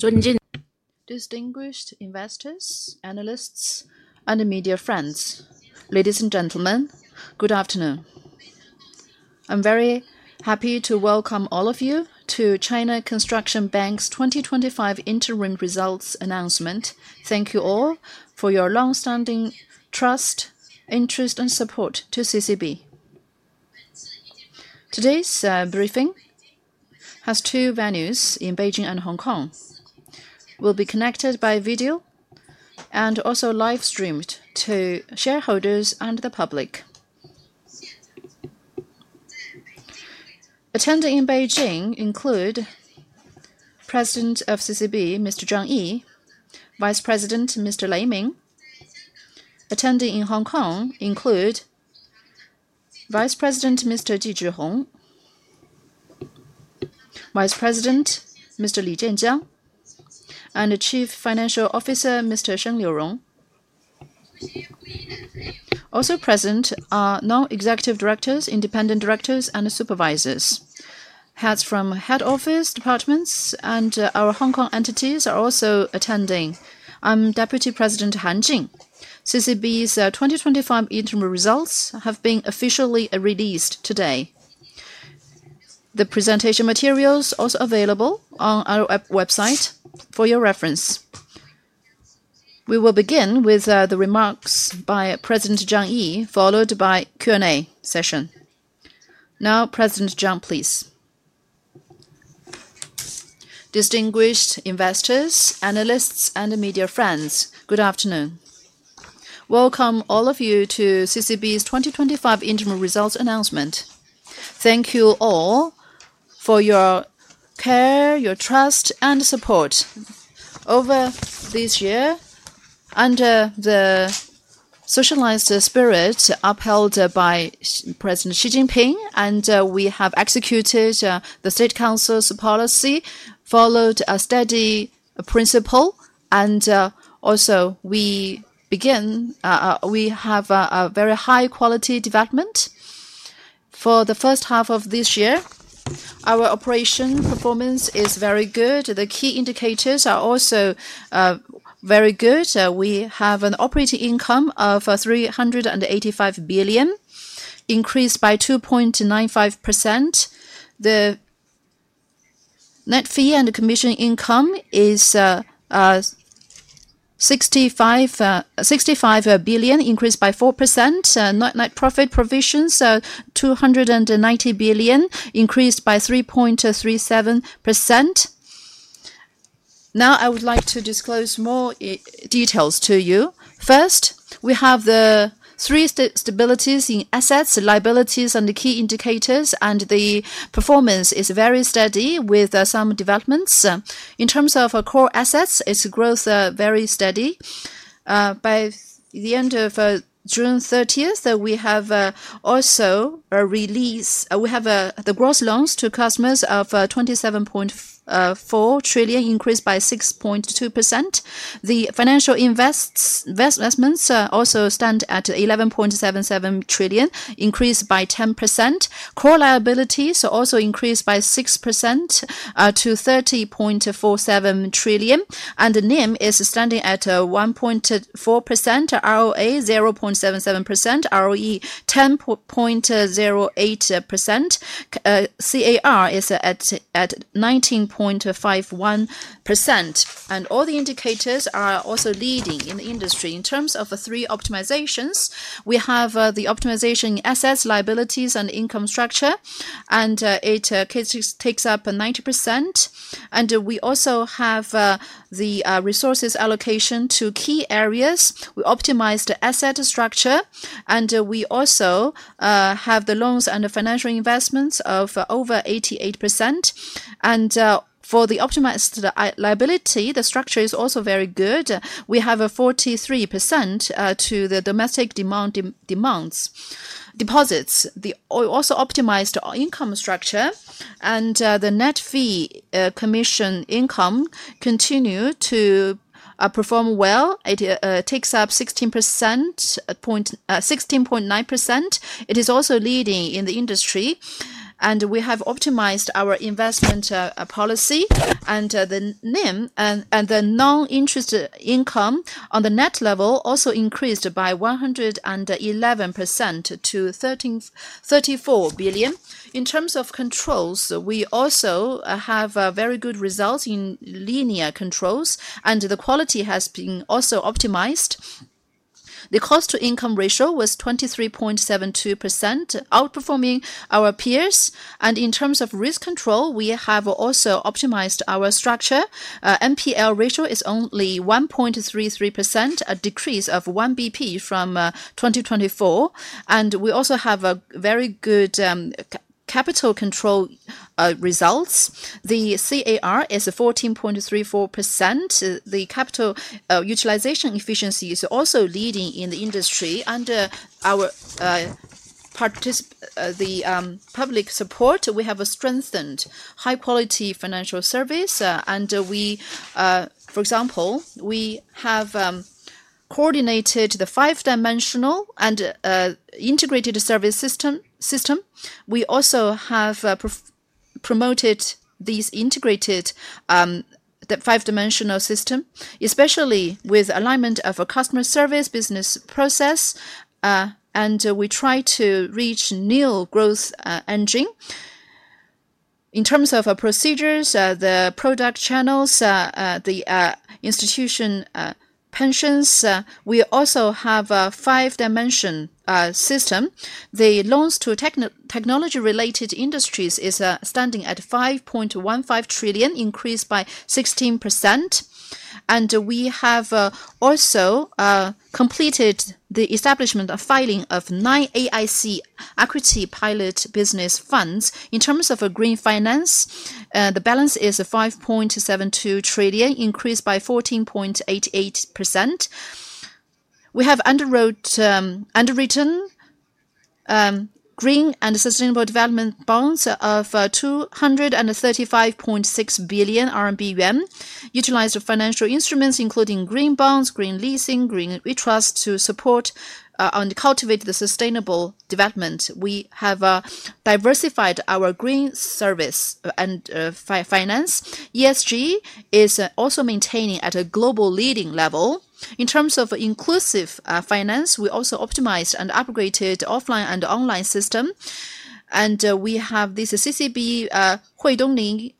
Good evening, distinguished investors, analysts, and media friends. Ladies and gentlemen, good afternoon. I'm very happy to welcome all of you to China Construction Bank's 2025 interim results announcement. Thank you all for your longstanding trust, interest, and support to CCB. Today's briefing has two venues in Beijing and Hong Kong. We'll be connected by video and also live streamed to shareholders and the public. Attending in Beijing include President of CCB, Mr. Zhang Yi, Vice President, Mr. Lei Ming. Attending in Hong Kong include Vice President, Mr. Ji Zhihong, Vice President, Mr. Li Jianjiang, and Chief Financial Officer, Mr. Sheng Liurong. Also present are non-executive directors, independent directors, and supervisors. Heads from head office, departments, and our Hong Kong entities are also attending. I'm Deputy President Han Jing. CCB's 2025 interim results have been officially released today. The presentation material is also available on our website for your reference. We will begin with the remarks by President Zhang Yi, followed by a Q&A session. Now, President Zhang, please. Distinguished investors, analysts, and media friends, good afternoon. Welcome all of you to CCB's 2025 interim results announcement. Thank you all for your care, your trust, and support over this year. Under the socialized spirit upheld by President Xi Jinping, we have executed the State Council's policy, followed a steady principle, and also we have a very high-quality development. For the first half of this year, our operation performance is very good. The key indicators are also very good. We have an operating income of 385 billion, increased by 2.95%. The net fee and commission income is 65 billion, increased by 4%. Net profit before provision is 290 billion, increased by 3.37%. Now, I would like to disclose more details to you. First, we have the three stabilities in assets, liabilities, and the key indicators, and the performance is very steady with some developments. In terms of core assets, its growth is very steady. By the end of June 30, we have also released the gross loans to customers of 27.4 trillion, increased by 6.2%. The financial investments also stand at 11.77 trillion, increased by 10%. Core liabilities also increased by 6% to 30.47 trillion. NIM is standing at 1.4%, ROA 0.77%, ROE 10.08%, CAR is at 19.51%. All the indicators are also leading in the industry. In terms of three optimizations, we have the optimization in assets, liabilities, and income structure, and it takes up 90%. We also have the resources allocation to key areas. We optimized the asset structure, and we also have the loans and the financial investments of over 88%. For the optimized liability, the structure is also very good. We have a 43% to the domestic demand deposits. We also optimized our income structure, and the net fee and commission income continues to perform well. It takes up 16.9%. It is also leading in the industry. We have optimized our investment policy. The NIM and the non-interest income on the net level also increased by 111% to 34 billion. In terms of controls, we also have very good results in linear controls, and the quality has been also optimized. The cost-to-income ratio was 23.72%, outperforming our peers. In terms of risk control, we have also optimized our structure. NPL ratio is only 1.33%, a decrease of 1 basis points from 2024. We also have very good capital control results. The CAR is 14.34%. The capital utilization efficiency is also leading in the industry. Under the public support, we have a strengthened high-quality financial service. For example, we have coordinated the five-dimensional and integrated service system. We also have promoted the integrated five-dimensional system, especially with alignment of customer service, business process. We try to reach new growth engine. In terms of procedures, the product channels, the institution pensions, we also have a five-dimensional system. The loans to technology-related industries are standing at 5.15 trillion, increased by 16%. We have also completed the establishment of filing of nine AIC equity pilot business funds. In terms of green finance, the balance is 5.72 trillion, increased by 14.88%. We have underwritten green and sustainable development bonds of 235.6 billion yuan, utilized financial instruments including green bonds, green leasing, green e-trust to support and cultivate the sustainable development. We have diversified our green service and finance. ESG is also maintaining at a global leading level. In terms of inclusive finance, we also optimized and upgraded the offline and online system. We have this CCB Hui Dongling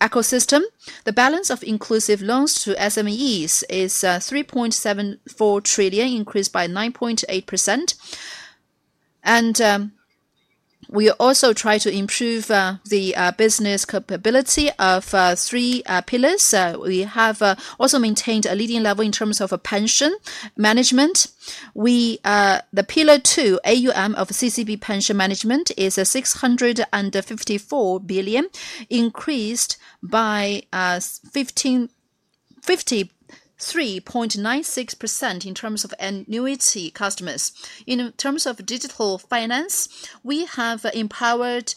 ecosystem. The balance of inclusive loans to SMEs is 3.74 trillion, increased by 9.8%. We also try to improve the business capability of three pillars. We have also maintained a leading level in terms of pension management. The pillar two, AUM of CCB pension management, is 654 billion, increased by 53.96% in terms of annuity customers. In terms of digital finance, we have empowered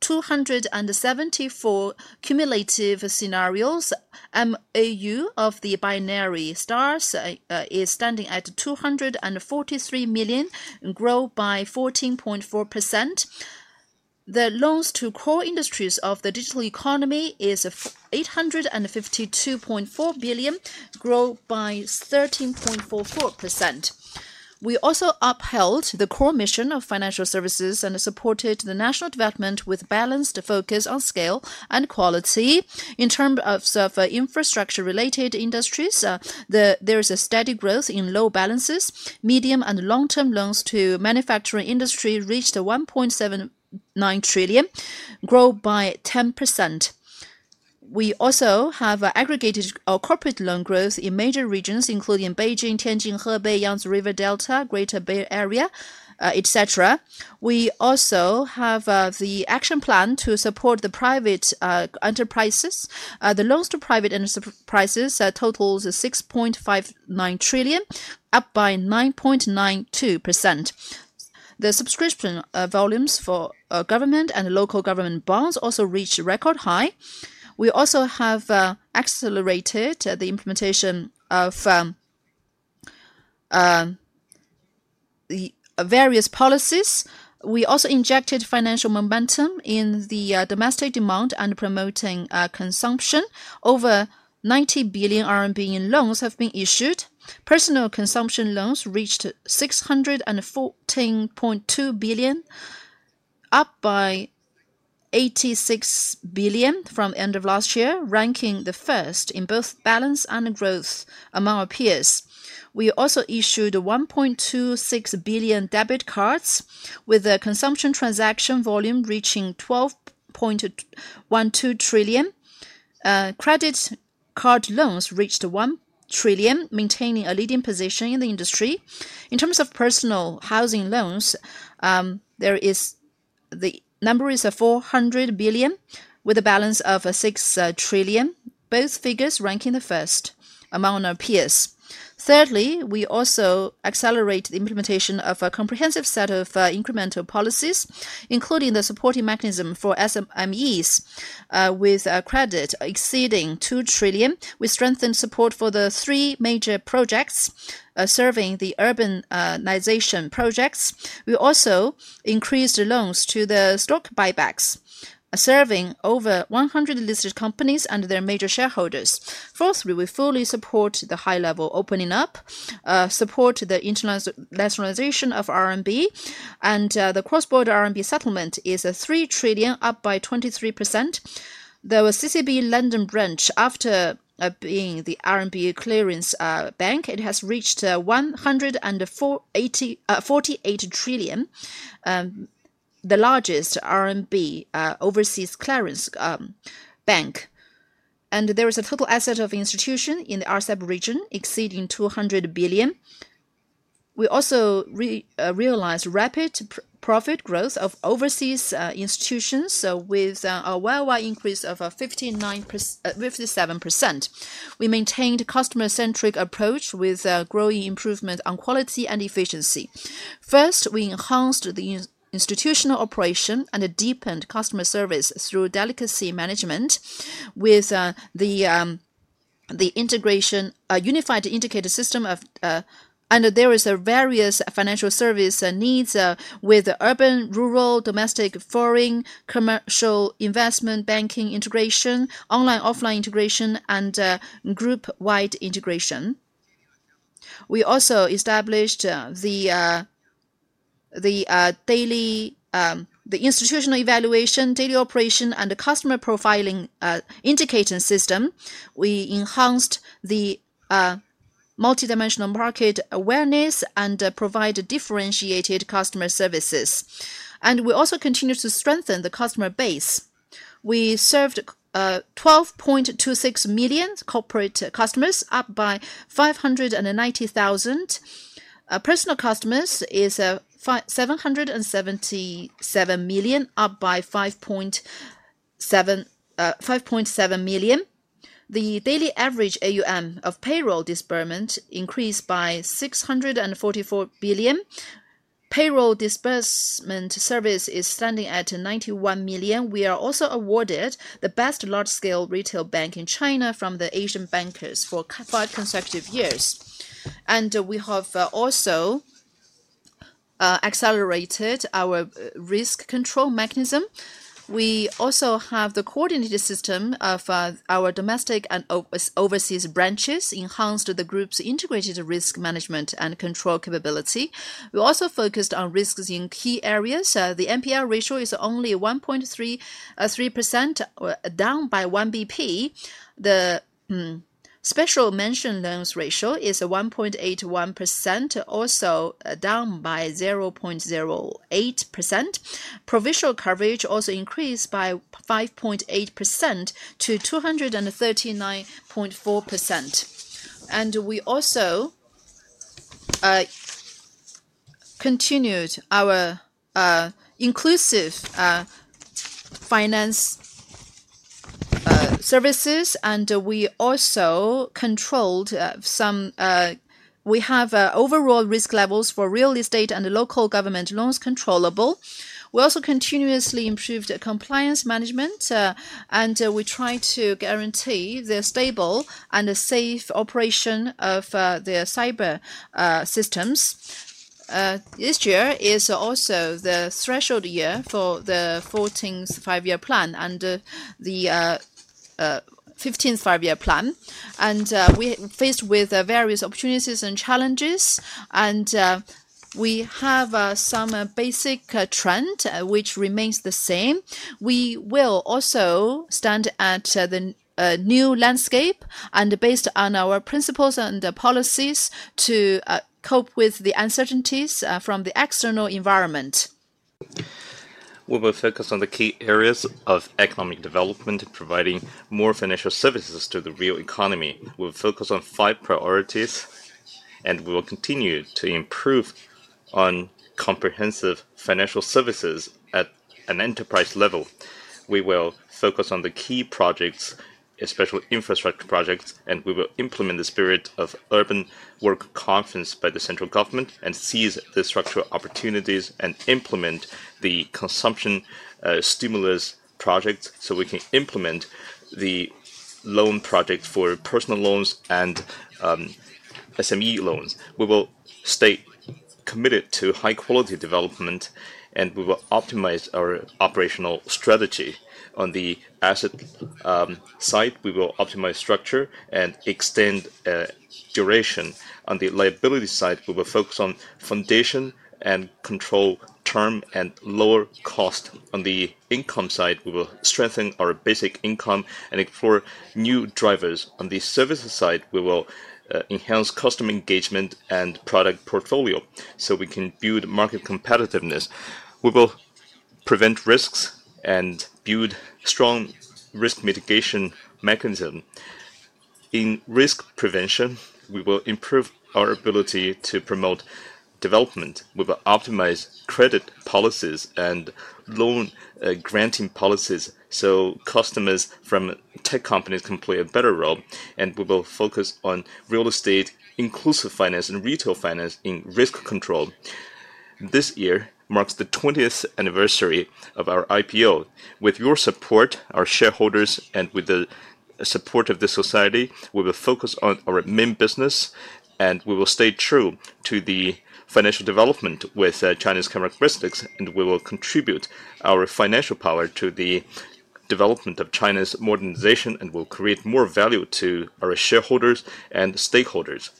274 cumulative scenarios. MAU of the binary stars is standing at 243 million, grow by 14.4%. The loans to core industries of the digital economy is 852.4 billion, grow by 13.44%. We also upheld the core mission of financial services and supported the national development with balanced focus on scale and quality. In terms of infrastructure-related industries, there is a steady growth in loan balances. Medium and long-term loans to manufacturing industry reached 1.79 trillion, grow by 10%. We also have aggregated our corporate loan growth in major regions, including Beijing, Tianjin, Hebei, Yangtze River Delta, Greater Bay Area, etc. We also have the action plan to support the private enterprises. The loans to private enterprises total 6.59 trillion, up by 9.92%. The subscription volumes for government and local government bonds also reached record high. We also have accelerated the implementation of various policies. We also injected financial momentum in the domestic demand and promoting consumption. Over 90 billion RMB in loans have been issued. Personal consumption loans reached 614.2 billion, up by 86 billion from the end of last year, ranking the first in both balance and growth among our peers. We also issued 1.26 billion debit cards with a consumption transaction volume reaching 12.12 trillion. Credit card loans reached 1 trillion, maintaining a leading position in the industry. In terms of personal housing loans, the number is 400 billion with a balance of 6 trillion, both figures ranking the first among our peers. Thirdly, we also accelerate the implementation of a comprehensive set of incremental policies, including the supporting mechanism for SMEs with credit exceeding 2 trillion. We strengthen support for the three major projects, serving the urbanization projects. We also increased loans to the stock buybacks, serving over 100 listed companies and their major shareholders. Fourthly, we fully support the high-level opening up, support the internationalization of RMB, and the cross-border CNY settlement is 3 trillion, up by 23%. The CCB London branch, after being the RMB clearance bank, it has reached 148 trillion, the largest RMB overseas clearance bank. There is a total asset of institution in the RCEP region exceeding 200 billion. We also realized rapid profit growth of overseas institutions with a worldwide increase of 57%. We maintained a customer-centric approach with growing improvement on quality and efficiency. First, we enhanced the institutional operation and deepened customer service through delicacy management with the unified indicator system. There are various financial service needs with urban, rural, domestic, foreign, commercial investment banking integration, online/offline integration, and group-wide integration. We also established the institutional evaluation, daily operation, and customer profiling indicator system. We enhanced the multidimensional market awareness and provide differentiated customer services. We also continue to strengthen the customer base. We served 12.26 million corporate customers, up by 590,000. Personal customers is 777 million, up by 5.7 million. The daily average AUM of payroll disbursement increased by 644 billion. Payroll disbursement service is standing at 91 million. We are also awarded the best large-scale retail bank in China from the Asian Bankers for five consecutive years. We have also accelerated our risk control mechanism. We also have the coordinated system of our domestic and overseas branches, enhanced the group's integrated risk management and control capability. We also focused on risks in key areas. The NPL ratio is only 1.3%, down by 1 basis points. The special mentioned loans ratio is 1.81%, also down by 0.08%. Provision coverage also increased by 5.8% to 239.4%. We also continued our inclusive finance services, and we also controlled some. We have overall risk levels for real estate and local government loans controllable. We also continuously improved compliance management, and we try to guarantee the stable and the safe operation of the cyber systems. This year is also the threshold year for the 14th five-year plan and the 15th five-year plan. We are faced with various opportunities and challenges. We have some basic trend, which remains the same. We will also stand at the new landscape and based on our principles and policies to cope with the uncertainties from the external environment. We will focus on the key areas of economic development and providing more financial services to the real economy. We will focus on five priorities, and we will continue to improve on comprehensive financial services at an enterprise level. We will focus on the key projects, especially infrastructure projects, and we will implement the spirit of the urban work conference by the central government and seize the structural opportunities and implement the consumption stimulus projects so we can implement the loan projects for personal loans and SME loans. We will stay committed to high-quality development, and we will optimize our operational strategy. On the asset side, we will optimize structure and extend duration. On the liability side, we will focus on foundation and control term and lower cost. On the income side, we will strengthen our basic income and explore new drivers. On the services side, we will enhance customer engagement and product portfolio so we can build market competitiveness. We will prevent risks and build strong risk mitigation mechanisms. In risk prevention, we will improve our ability to promote development. We will optimize credit policies and loan granting policies so customers from tech companies can play a better role. We will focus on real estate, inclusive finance, and retail finance in risk control. This year marks the 20th anniversary of our IPO. With your support, our shareholders, and with the support of the society, we will focus on our main business, and we will stay true to the financial development with China's characteristics. We will contribute our financial power to the development of China's modernization, and we'll create more value to our shareholders and stakeholders.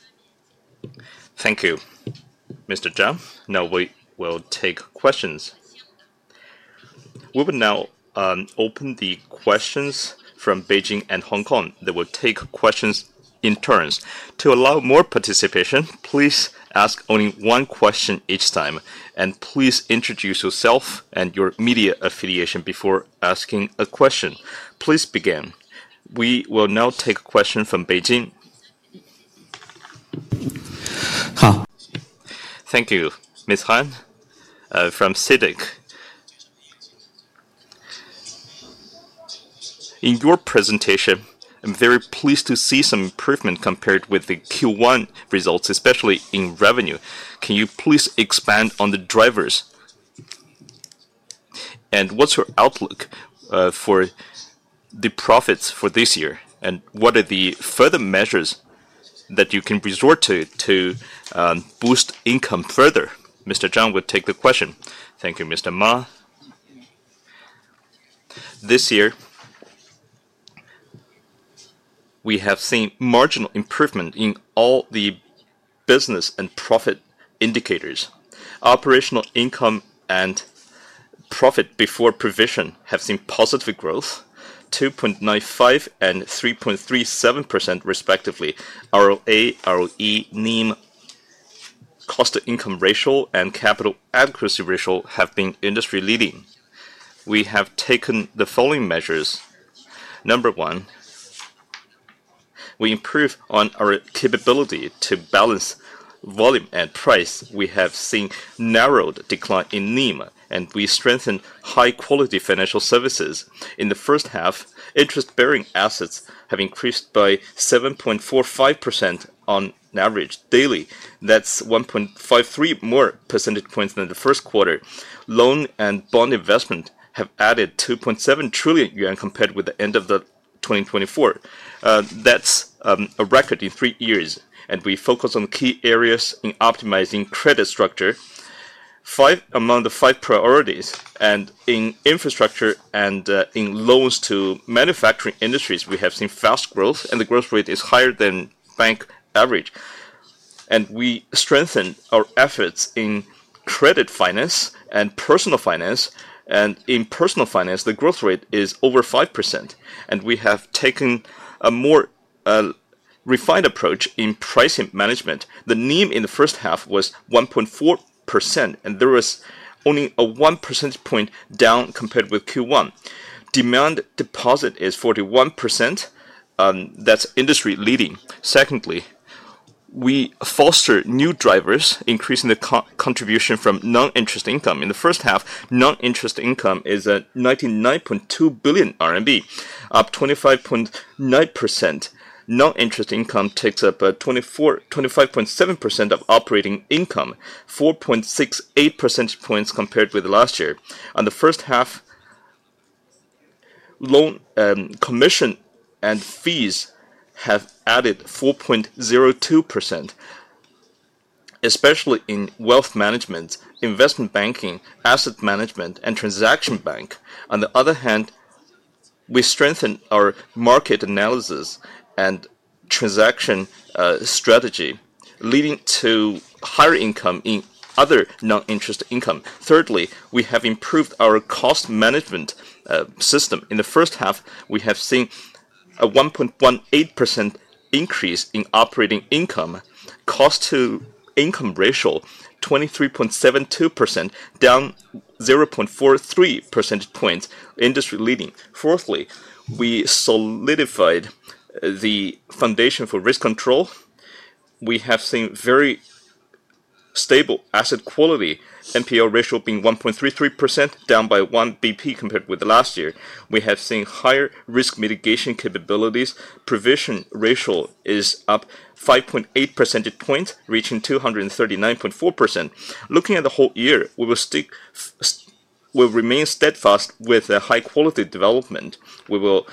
Thank you, Mr. Zhang. Now we will take questions. We will now open the questions from Beijing and Hong Kong. They will take questions in turns. To allow more participation, please ask only one question each time, and please introduce yourself and your media affiliation before asking a question. Please begin. We will now take a question from Beijing. Hi. Thank you, Ms. Han, from SIDC. In your presentation, I'm very pleased to see some improvement compared with the Q1 results, especially in revenue. Can you please expand on the drivers? What's your outlook for the profits for this year, and what are the further measures that you can resort to to boost income further? Mr. Sheng will take the question. Thank you, Mr. Ma. This year, we have seen marginal improvement in all the business and profit indicators. Operating income and profit before provision have seen positive growth, 2.95% and 3.37%, respectively. ROA, ROE, NIM, cost to income ratio, and capital adequacy ratio have been industry-leading. We have taken the following measures. Number one, we improved on our capability to balance volume and price. We have seen a narrowed decline in NIM, and we strengthened high-quality financial services. In the first half, interest-bearing assets have increased by 7.45% on average daily. That's 1.53 more percentage points than the first quarter. Loan and bond investment have added 2.7 trillion yuan compared with the end of 2024. That's a record in three years. We focus on key areas in optimizing credit structure. Five among the five priorities. In infrastructure and in loans to manufacturing industries, we have seen fast growth, and the growth rate is higher than bank average. We strengthened our efforts in credit finance and personal finance. In personal finance, the growth rate is over 5%. We have taken a more refined approach in pricing management. The NIM in the first half was 1.4%, and there was only a 1 percentage point down compared with Q1. Demand deposit is 41%. That's industry-leading. Secondly, we foster new drivers, increasing the contribution from non-interest income. In the first half, non-interest income is 99.2 billion RMB, up 25.9%. Non-interest income takes up 25.7% of operating income, 4.68 percentage points compared with last year. In the first half, loan commission and fees have added 4.02%, especially in wealth management, investment banking, asset management, and transaction bank. On the other hand, we strengthened our market analysis and transaction strategy, leading to higher income in other non-interest income. Thirdly, we have improved our cost management system. In the first half, we have seen a 1.18% increase in operating income. Cost to income ratio, 23.72%, down 0.43 percentage points, industry-leading. Fourthly, we solidified the foundation for risk control. We have seen very stable asset quality, NPL ratio being 1.33%, down by 1 basis points compared with last year. We have seen higher risk mitigation capabilities. Provision ratio is up 5.8 percentage points, reaching 239.4%. Looking at the whole year, we will remain steadfast with high-quality development. We will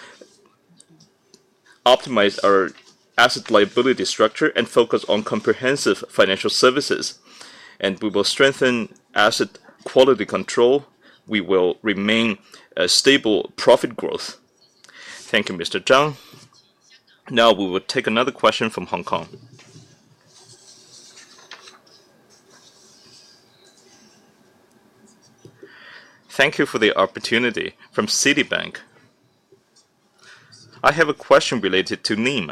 optimize our asset liability structure and focus on comprehensive financial services. We will strengthen asset quality control. We will remain stable profit growth. Thank you, Mr. Sheng. Now we will take another question from Hong Kong. Thank you for the opportunity from Citibank. I have a question related to NIM.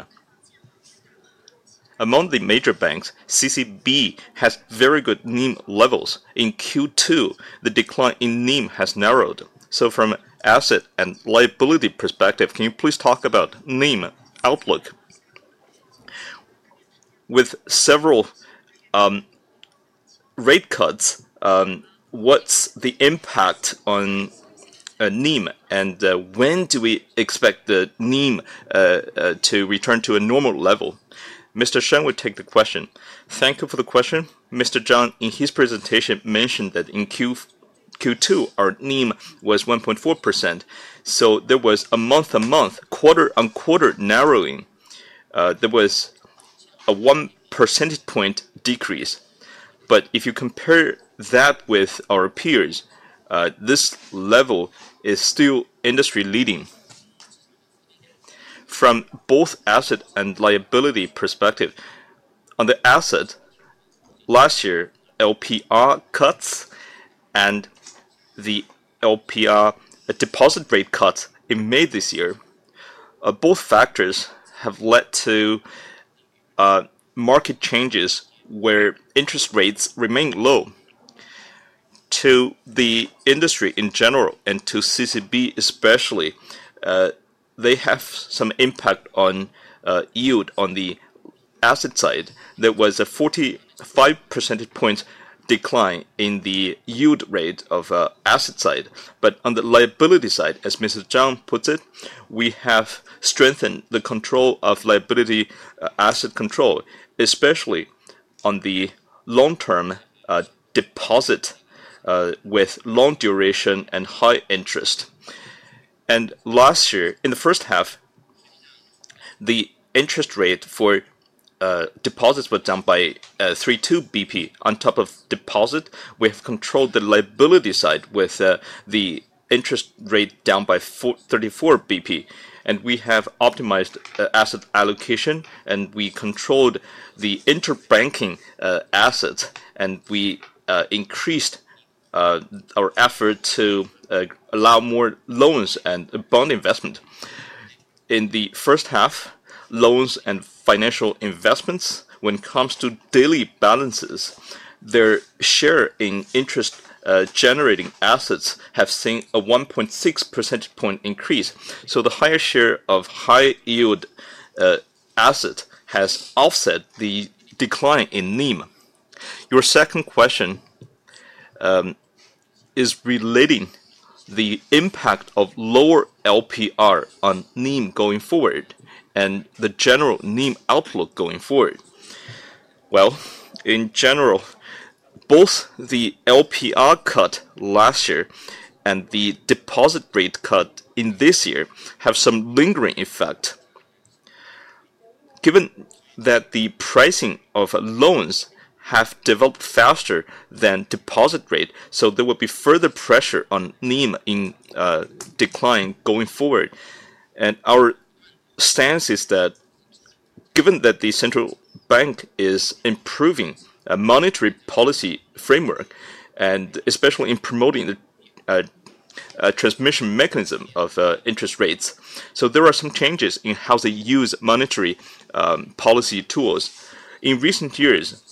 Among the major banks, CCB has very good NIM levels. In Q2, the decline in NIM has narrowed. From an asset and liability perspective, can you please talk about NIM outlook? With several rate cuts, what's the impact on NIM, and when do we expect the NIM to return to a normal level? Mr. Sheng will take the question. Thank you for the question. Mr. Zhang, in his presentation, mentioned that in Q2, our NIM was 1.4%. There was a month-on-month, quarter-on-quarter narrowing. There was a 1 percentage point decrease. If you compare that with our peers, this level is still industry-leading. From both asset and liability perspective, on the asset, last year, LPR cuts and the LPR deposit rate cuts in May this year, both factors have led to market changes where interest rates remain low. To the industry in general and to CCB especially, they have some impact on yield on the asset side. There was a 45 percentage point decline in the yield rate of asset side. On the liability side, as Mr. Zhang puts it, we have strengthened the control of liability asset control, especially on the long-term deposit with long duration and high interest. Last year, in the first half, the interest rate for deposits was down by 32 basis points. On top of deposit, we have controlled the liability side with the interest rate down by 34 basis points. We have optimized asset allocation, and we controlled the interbanking assets, and we increased our effort to allow more loans and bond investment. In the first half, loans and financial investments, when it comes to daily balances, their share in interest-generating assets have seen a 1.6 percentage point increase. The higher share of high-yield assets has offset the decline in NIM. Your second question is relating the impact of lower LPR on NIM going forward and the general NIM outlook going forward. In general, both the LPR cut last year and the deposit rate cut this year have some lingering effect. Given that the pricing of loans has developed faster than deposit rate, there will be further pressure on NIM in decline going forward. Our sense is that given that the central bank is improving a monetary policy framework and especially in promoting the transmission mechanism of interest rates, there are some changes in how they use monetary policy tools. In recent years,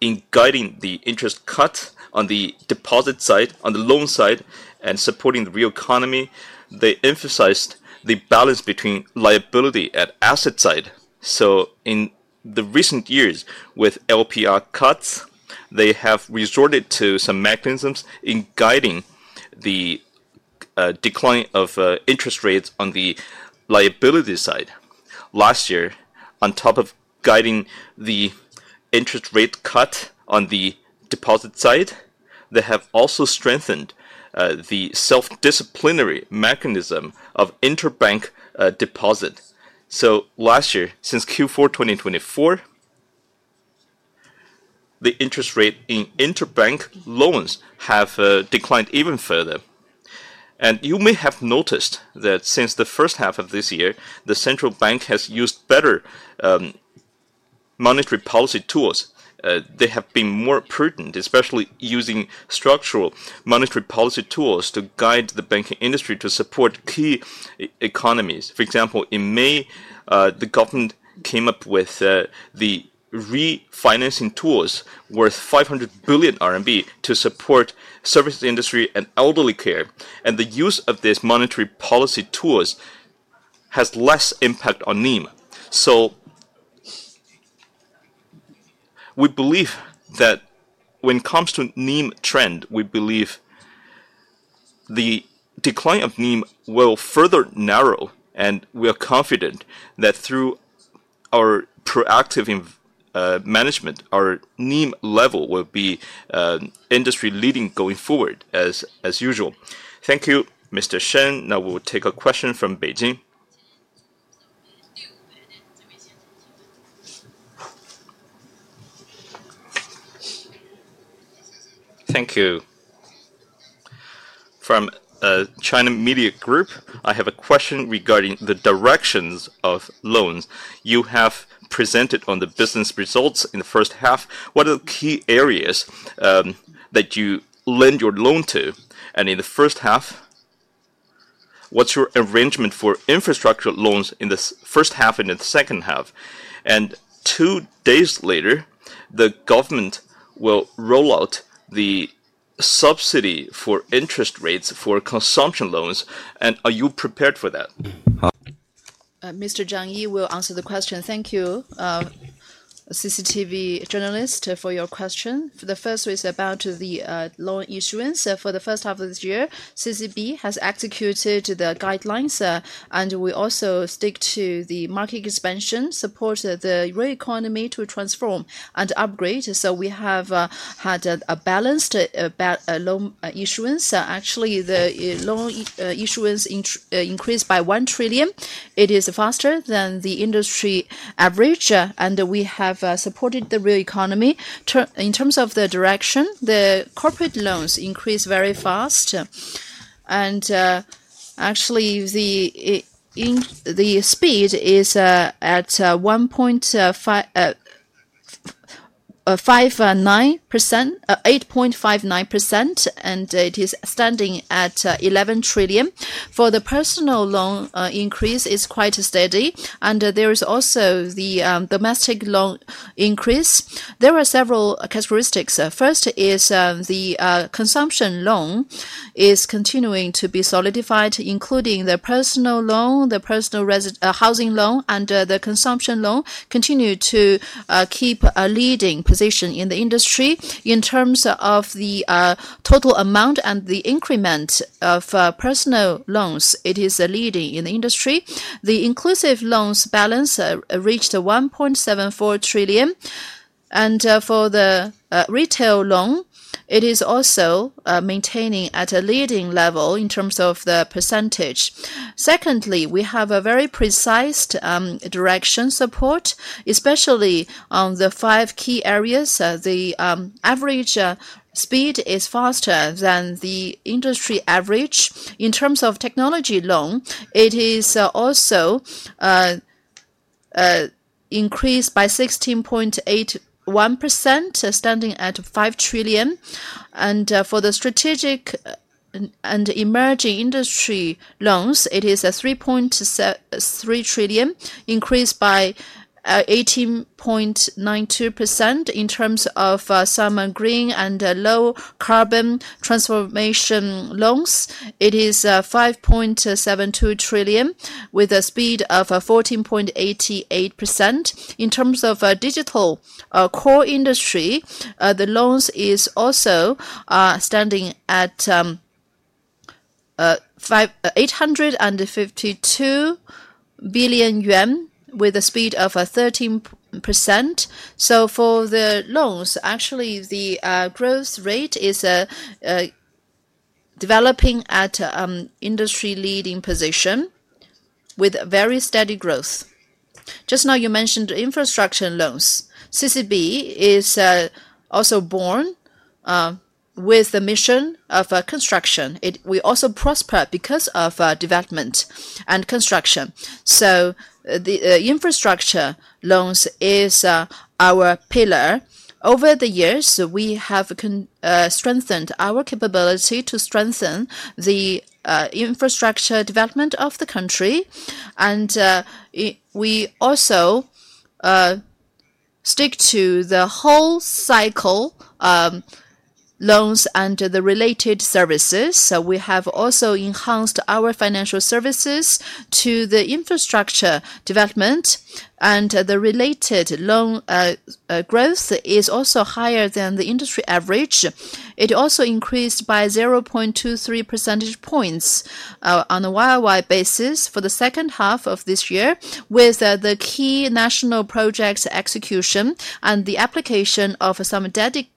in guiding the interest cuts on the deposit side, on the loan side, and supporting the real economy, they emphasized the balance between liability and asset side. In recent years, with LPR cuts, they have resorted to some mechanisms in guiding the decline of interest rates on the liability side. Last year, on top of guiding the interest rate cut on the deposit side, they have also strengthened the self-disciplinary mechanism of interbank deposit. Last year, since Q4 2024, the interest rate in interbank loans has declined even further. You may have noticed that since the first half of this year, the central bank has used better monetary policy tools. They have been more prudent, especially using structural monetary policy tools to guide the banking industry to support key economies. For example, in May, the government came up with the refinancing tools worth 500 billion RMB to support services industry and elderly care. The use of these monetary policy tools has less impact on NIM. We believe that when it comes to NIM trend, the decline of NIM will further narrow, and we are confident that through our proactive management, our NIM level will be industry-leading going forward as usual. Thank you, Mr. Shen. Now we will take a question from Beijing. Thank you. Thank you. From China Media Group, I have a question regarding the directions of loans. You have presented on the business results in the first half. What are the key areas that you lend your loan to? In the first half, what's your arrangement for infrastructure loans in the first half and in the second half? Two days later, the government will roll out the subsidy for interest rates for consumption loans. Are you prepared for that? Mr. Zhang Yi will answer the question. Thank you, CCTV journalist, for your question. The first is about the loan issuance. For the first half of this year, CCB has executed the guidelines, and we also stick to the market expansion, support the real economy to transform and upgrade. We have had a balanced loan issuance. Actually, the loan issuance increased by 1 trillion. It is faster than the industry average, and we have supported the real economy. In terms of the direction, the corporate loans increased very fast. Actually, the speed is at 5.59%, 8.59%, and it is standing at 11 trillion. For the personal loan increase, it's quite steady. There is also the domestic loan increase. There are several characteristics. First is the consumption loan is continuing to be solidified, including the personal loan, the personal housing loan, and the consumption loan continue to keep a leading position in the industry. In terms of the total amount and the increment of personal loans, it is leading in the industry. The inclusive loans balance reached 1.74 trillion. For the retail loan, it is also maintaining at a leading level in terms of the percentage. Secondly, we have a very precise direction support, especially on the five key areas. The average speed is faster than the industry average. In terms of technology loan, it is also increased by 16.81%, standing at 5 trillion. For the strategic and emerging industry loans, it is 3.3 trillion, increased by 18.92%. In terms of some green and low carbon transformation loans, it is 5.72 trillion with a speed of 14.88%. In terms of digital core industry, the loans are also standing at 852 billion yuan with a speed of 13%. For the loans, actually, the growth rate is developing at an industry-leading position with very steady growth. Just now, you mentioned the infrastructure loans. CCB is also born with the mission of construction. We also prosper because of development and construction. The infrastructure loans are our pillar. Over the years, we have strengthened our capability to strengthen the infrastructure development of the country. We also stick to the whole cycle loans and the related services. We have also enhanced our financial services to the infrastructure development. The related loan growth is also higher than the industry average. It also increased by 0.23 percentage points on a worldwide basis for the second half of this year. With the key national projects execution and the application of some dedicated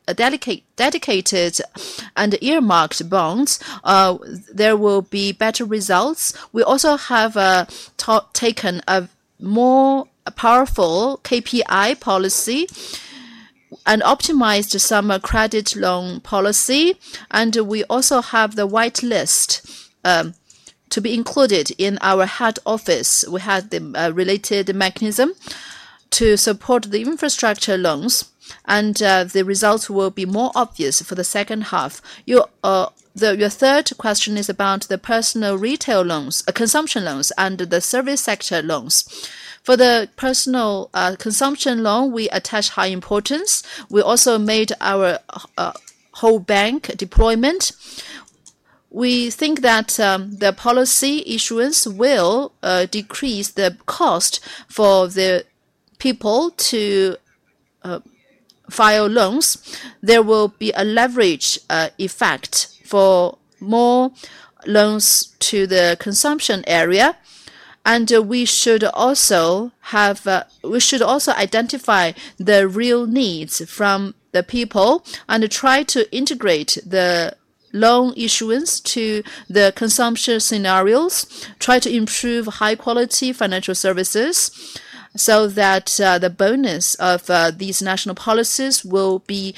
and earmarked bonds, there will be better results. We also have taken a more powerful KPI policy and optimized some credit loan policy. We also have the whitelist to be included in our head office. We had the related mechanism to support the infrastructure loans. The results will be more obvious for the second half. Your third question is about the personal retail loans, personal consumption loans, and the service sector loans. For the personal consumption loan, we attach high importance. We also made our whole bank deployment. We think that the policy issuance will decrease the cost for the people to file loans. There will be a leverage effect for more loans to the consumption area. We should also identify the real needs from the people and try to integrate the loan issuance to the consumption scenarios, try to improve high-quality financial services so that the bonus of these national policies will be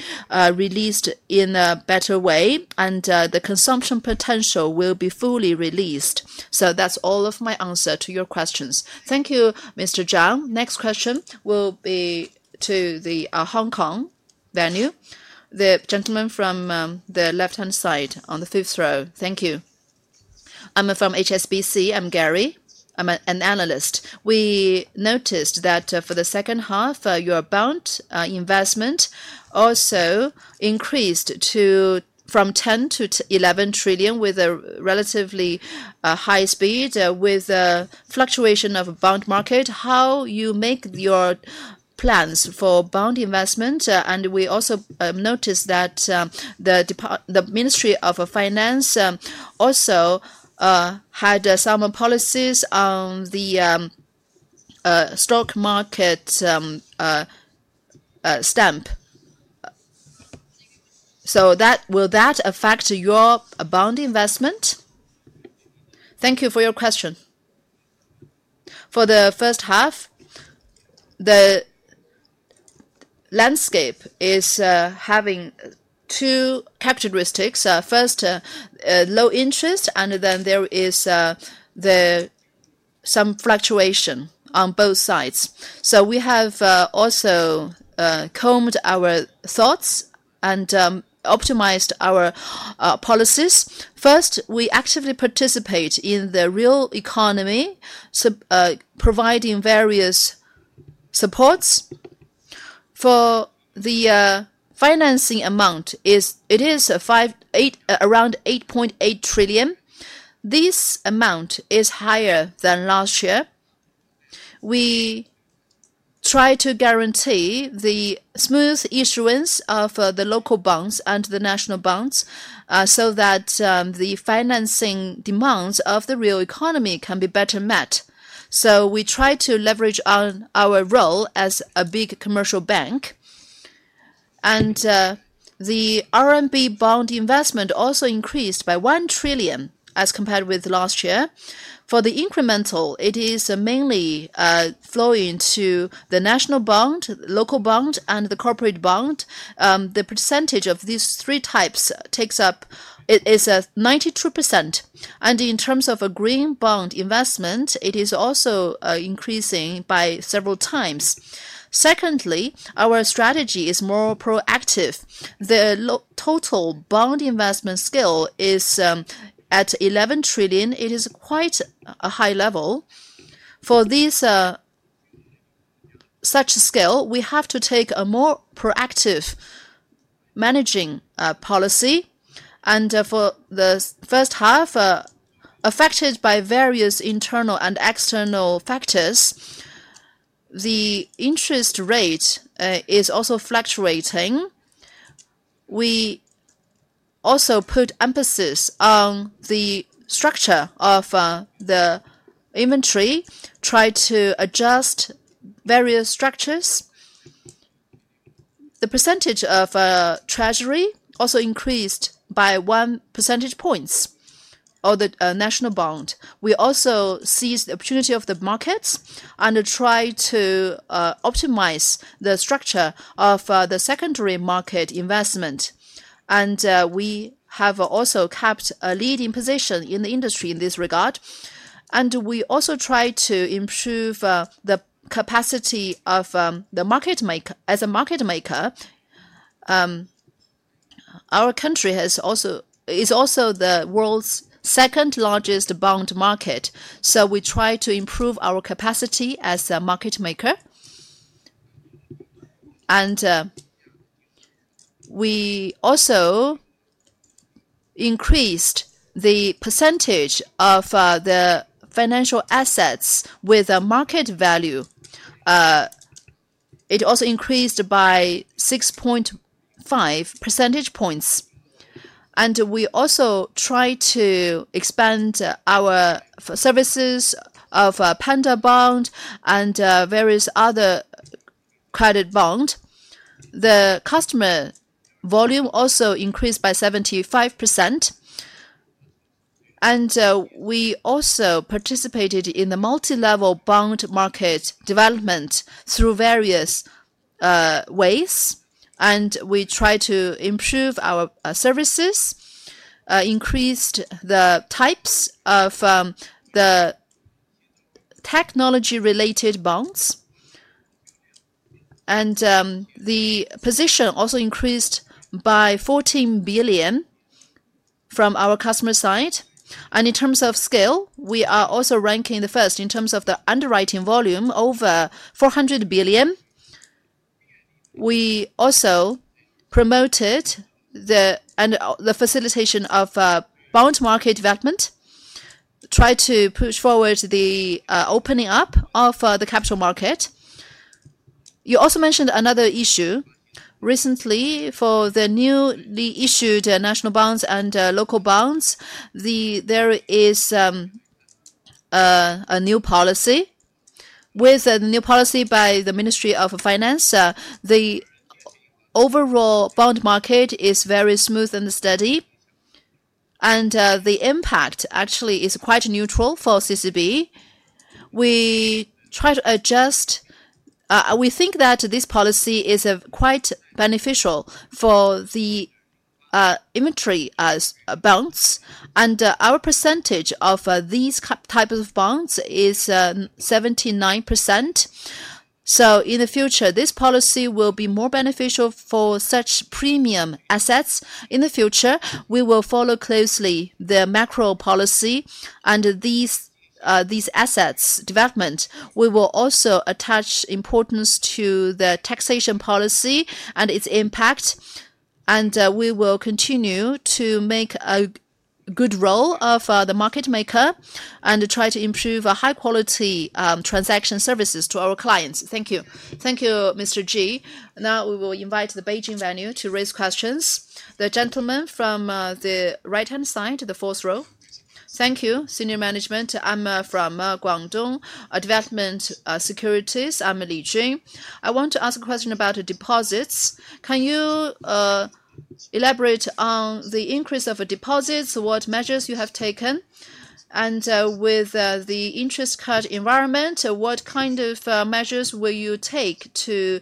released in a better way, and the consumption potential will be fully released. That is all of my answer to your questions. Thank you, Mr. Zhang. Next question will be to the Hong Kong venue, the gentleman from the left-hand side on the fifth row. Thank you. I'm from HSBC. I'm Gary. I'm an analyst. We noticed that for the second half, your bond investment also increased from 10 trillion to 11 trillion with a relatively high speed with a fluctuation of bond market. How you make your plans for bond investment? We also noticed that the Ministry of Finance also had some policies on the stock market stamp. Will that affect your bond investment? Thank you for your question. For the first half, the landscape is having two characteristics. First, low interest, and then there is some fluctuation on both sides. We have also combed our thoughts and optimized our policies. First, we actively participate in the real economy, providing various supports. For the financing amount, it is around 8.8 trillion. This amount is higher than last year. We try to guarantee the smooth issuance of the local bonds and the national bonds so that the financing demands of the real economy can be better met. We try to leverage on our role as a big commercial bank. The RMB bond investment also increased by 1 trillion as compared with last year. For the incremental, it is mainly flowing to the national bond, local bond, and the corporate bond. The percentage these three types take up is 92%. In terms of green bond investment, it is also increasing by several times. Secondly, our strategy is more proactive. The total bond investment scale is at 11 trillion. It is quite a high level. For such a scale, we have to take a more proactive managing policy. For the first half, affected by various internal and external factors, the interest rate is also fluctuating. We also put emphasis on the structure of the inventory, try to adjust various structures. The percentage of treasury also increased by 1 percentage point of the national bond. We also seize the opportunity of the markets and try to optimize the structure of the secondary market investment. We have also kept a leading position in the industry in this regard. We also try to improve the capacity of the market maker. As a market maker, our country is also the world's second largest bond market. We try to improve our capacity as a market maker. We also increased the percentage of the financial assets with market value. It also increased by 6.5 percentage points. We also try to expand our services of Panda Bond and various other credit bonds. The customer volume also increased by 75%. We also participated in the multilevel bond market development through various ways. We try to improve our services, increase the types of the technology-related bonds. The position also increased by 14 billion from our customer side. In terms of scale, we are also ranking the first in terms of the underwriting volume over 400 billion. We also promoted the facilitation of bond market development, try to push forward the opening up of the capital market. You also mentioned another issue. Recently, for the newly issued national bonds and local bonds, there is a new policy. With the new policy by the Ministry of Finance, the overall bond market is very smooth and steady. The impact actually is quite neutral for CCB. We try to adjust. We think that this policy is quite beneficial for the inventory bonds. Our percentage of these types of bonds is 79%. In the future, this policy will be more beneficial for such premium assets. In the future, we will follow closely the macro policy and these assets development. We will also attach importance to the taxation policy and its impact. We will continue to make a good role of the market maker and try to improve high-quality transaction services to our clients. Thank you. Thank you, Mr. G. Now we will invite the Beijing venue to raise questions. The gentleman from the right-hand side, the fourth row. Thank you, senior management. I'm from Guangdong Development Securities. I'm Li Jing. I want to ask a question about deposits. Can you elaborate on the increase of deposits, what measures you have taken? With the interest cut environment, what kind of measures will you take to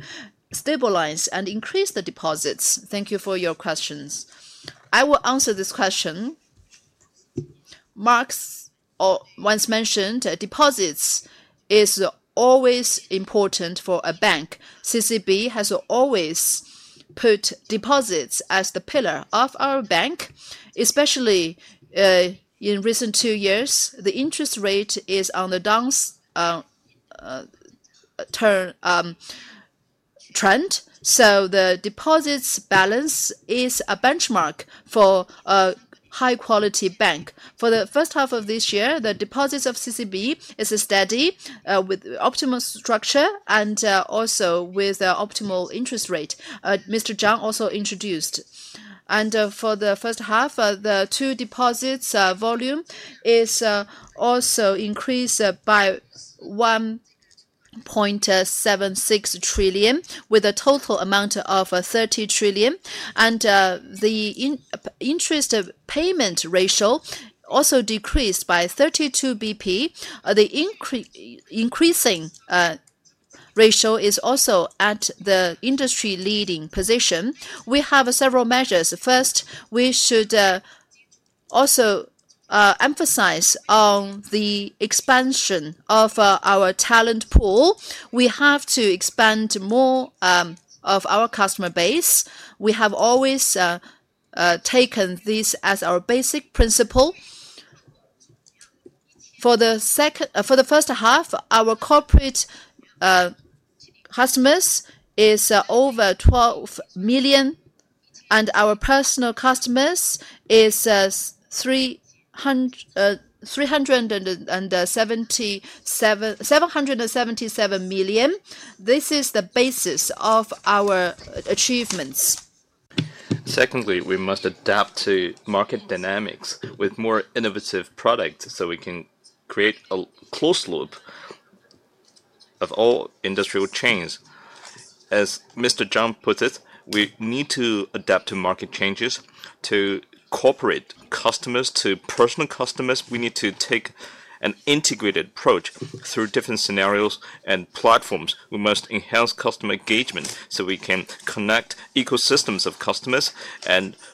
stabilize and increase the deposits? Thank you for your questions. I will answer this question. Marks or once mentioned, deposits are always important for a bank. CCB has always put deposits as the pillar of our bank. Especially in recent two years, the interest rate is on the downturn trend. The deposits balance is a benchmark for a high-quality bank. For the first half of this year, the deposits of CCB are steady with optimal structure and also with optimal interest rate. Mr. Sheng also introduced. For the first half, the two deposits volume is also increased by 1.76 trillion with a total amount of 30 trillion. The interest payment ratio also decreased by 32 basis points. The increasing ratio is also at the industry-leading position. We have several measures. First, we should also emphasize on the expansion of our talent pool. We have to expand more of our customer base. We have always taken this as our basic principle. For the first half, our corporate customers are over 12 million, and our personal customers are 377 million. This is the basis of our achievements. Secondly, we must adapt to market dynamics with more innovative products so we can create a closed loop of all industrial chains. As Mr. Zhang puts it, we need to adapt to market changes to corporate customers, to personal customers. We need to take an integrated approach through different scenarios and platforms. We must enhance customer engagement so we can connect ecosystems of customers.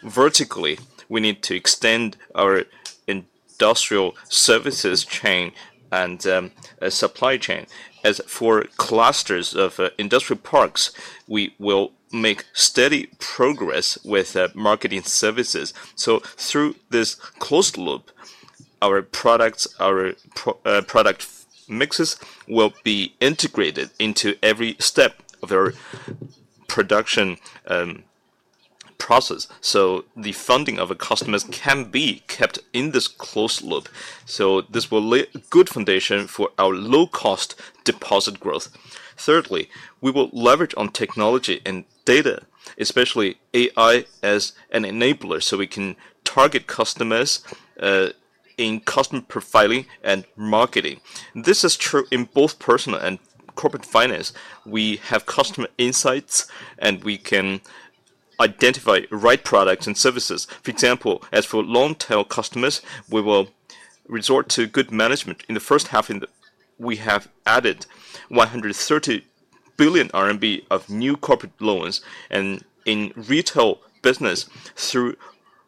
Vertically, we need to extend our industrial services chain and supply chain. As for clusters of industrial products, we will make steady progress with marketing services. Through this closed loop, our product mixes will be integrated into every step of our production process. The funding of our customers can be kept in this closed loop. This will lay a good foundation for our low-cost deposit growth. Thirdly, we will leverage on technology and data, especially AI, as an enabler so we can target customers in customer profiling and marketing. This is true in both personal and corporate finance. We have customer insights, and we can identify the right products and services. For example, as for long-tail customers, we will resort to good management. In the first half, we have added 130 billion RMB of new corporate loans. In retail business, through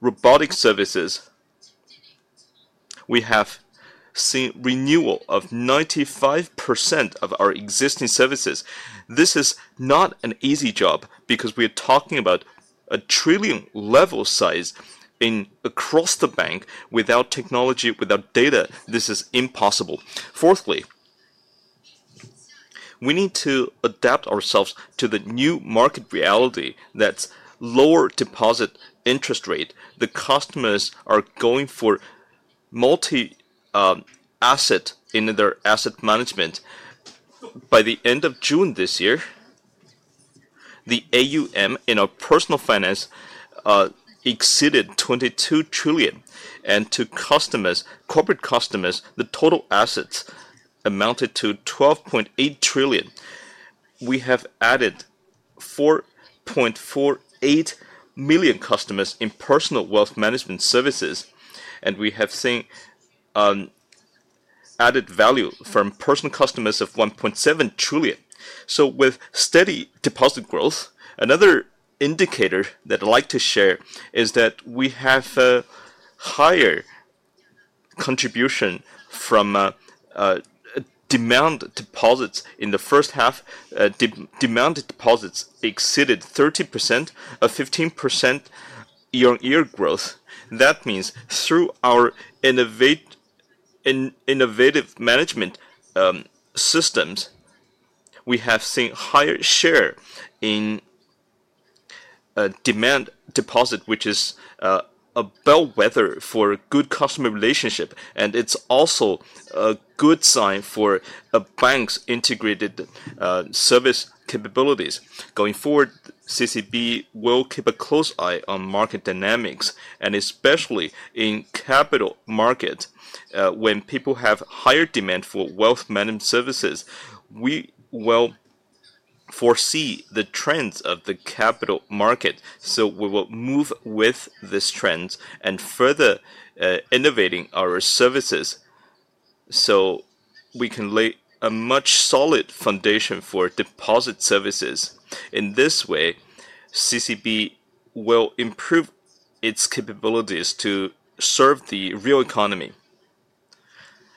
robotic services, we have seen renewal of 95% of our existing services. This is not an easy job because we are talking about a trillion-level size across the bank. Without technology, without data, this is impossible. Fourthly, we need to adapt ourselves to the new market reality that's lower deposit interest rate. The customers are going for multi-asset in their asset management. By the end of June this year, the AUM in our personal finance exceeded 22 trillion. To customers, corporate customers, the total assets amounted to 12.8 trillion. We have added 4.48 million customers in personal wealth management services, and we have seen added value from personal customers of 1.7 trillion. With steady deposit growth, another indicator that I'd like to share is that we have a higher contribution from demand deposits. In the first half, demand deposits exceeded 30% with 15% year-on-year growth. That means through our innovative management systems, we have seen a higher share in demand deposit, which is a bellwether for a good customer relationship. It is also a good sign for a bank's integrated service capabilities. Going forward, CCB will keep a close eye on market dynamics, and especially in capital markets. When people have higher demand for wealth management services, we will foresee the trends of the capital market. We will move with this trend and further innovate our services so we can lay a much solid foundation for deposit services. In this way, CCB will improve its capabilities to serve the real economy.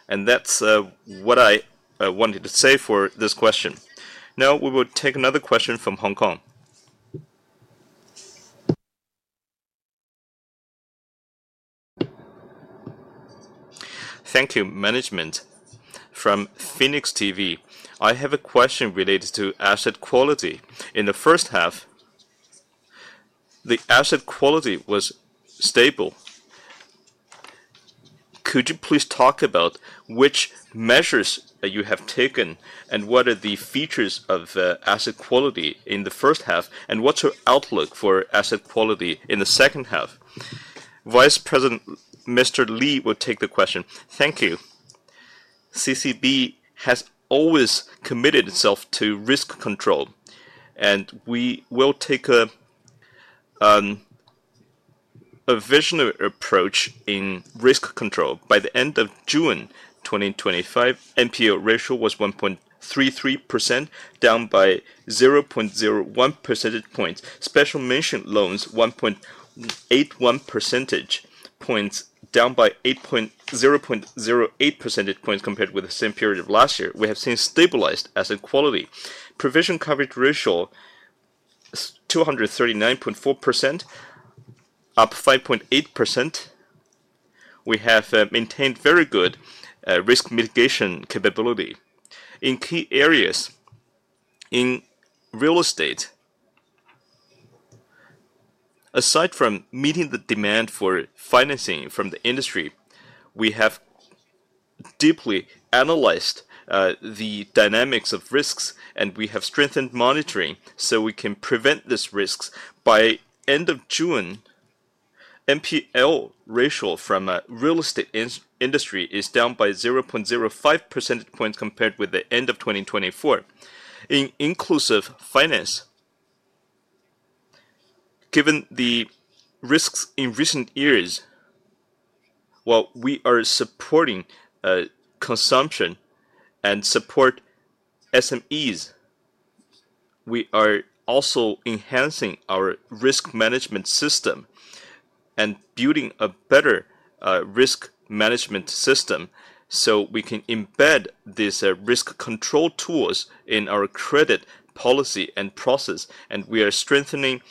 That's what I wanted to say for this question. Now we will take another question from Hong Kong. Thank you, management from Phoenix TV. I have a question related to asset quality. In the first half, the asset quality was stable. Could you please talk about which measures you have taken and what are the features of asset quality in the first half, and what's your outlook for asset quality in the second half? Vice President Mr. Li will take the question. Thank you. CCB has always committed itself to risk control, and we will take a visionary approach in risk control. By the end of June 2025, NPL ratio was 1.33%, down by 0.01 percentage points. Special mission loans, 1.81 percentage points, down by 0.08 percentage points compared with the same period of last year. We have seen stabilized asset quality. Provision coverage ratio is 239.4%, up 5.8%. We have maintained very good risk mitigation capability in key areas. In real estate, aside from meeting the demand for financing from the industry, we have deeply analyzed the dynamics of risks, and we have strengthened monitoring so we can prevent these risks. By the end of June, NPL ratio from the real estate industry is down by 0.05 percentage points compared with the end of 2024. In inclusive finance, given the risks in recent years, while we are supporting consumption and support SMEs, we are also enhancing our risk management system and building a better risk management system so we can embed these risk control tools in our credit policy and process. We are strengthening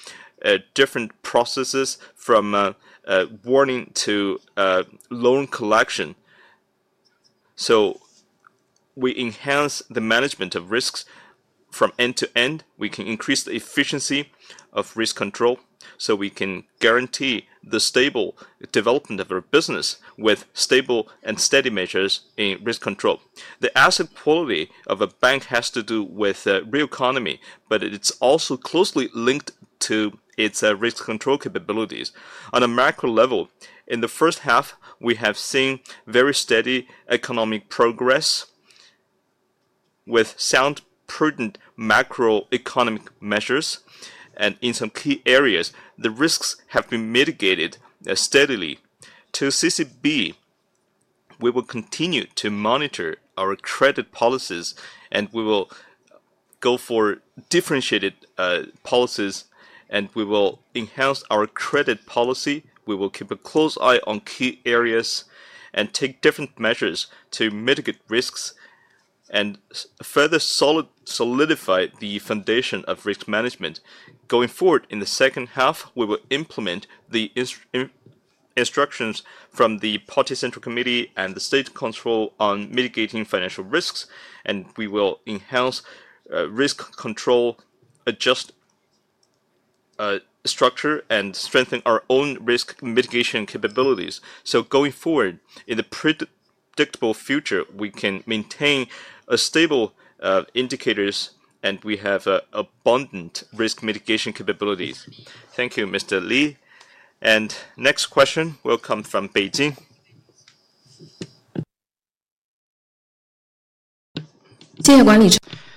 different processes from warning to loan collection. We enhance the management of risks from end to end. We can increase the efficiency of risk control so we can guarantee the stable development of our business with stable and steady measures in risk control. The asset quality of a bank has to do with the real economy, but it's also closely linked to its risk control capabilities. On a macro level, in the first half, we have seen very steady economic progress with sound, prudent macroeconomic measures. In some key areas, the risks have been mitigated steadily. To CCB, we will continue to monitor our credit policies, and we will go for differentiated policies. We will enhance our credit policy. We will keep a close eye on key areas and take different measures to mitigate risks and further solidify the foundation of risk management. Going forward in the second half, we will implement the instructions from the Party Central Committee and the State Council on mitigating financial risks. We will enhance risk control, adjust structure, and strengthen our own risk mitigation capabilities. Going forward, in the predictable future, we can maintain stable indicators, and we have abundant risk mitigation capabilities. Thank you, Mr. Li. Next question will come from Beijing.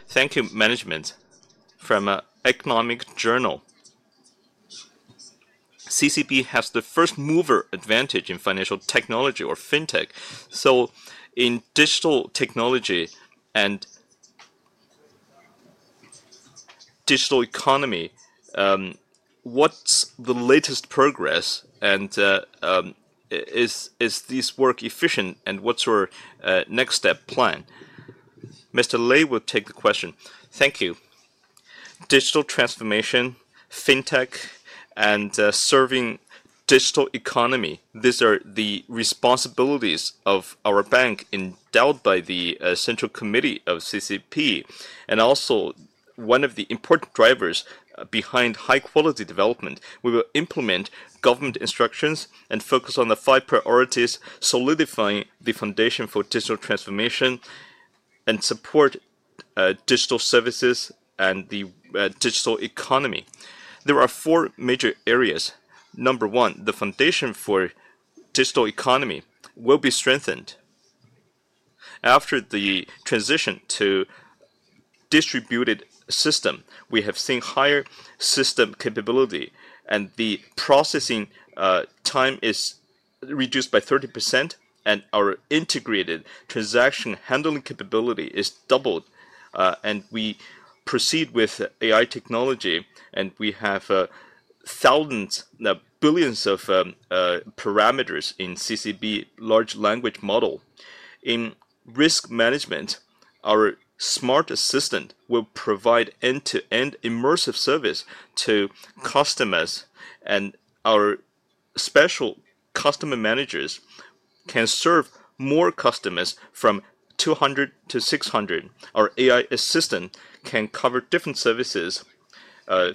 Thank you, management. From an economic journal, CCB has the first-mover advantage in financial technology or fintech. In digital technology and digital economy, what's the latest progress, is this work efficient, and what's your next-step plan? Mr. Li will take the question. Thank you. Digital transformation, fintech, and serving the digital economy, these are the responsibilities of our bank endowed by the Central Committee of CCB and also one of the important drivers behind high-quality development. We will implement government instructions and focus on the five priorities, solidifying the foundation for digital transformation and support digital services and the digital economy. There are four major areas. Number one, the foundation for the digital economy will be strengthened. After the transition to a distributed system, we have seen higher system capability, and the processing time is reduced by 30%. Our integrated transaction handling capability is doubled. We proceed with AI technology, and we have billions of parameters in CCB's large language model. In risk management, our smart assistant will provide end-to-end immersive service to customers. Our special customer managers can serve more customers from 200 to 600. Our AI assistant can cover different services,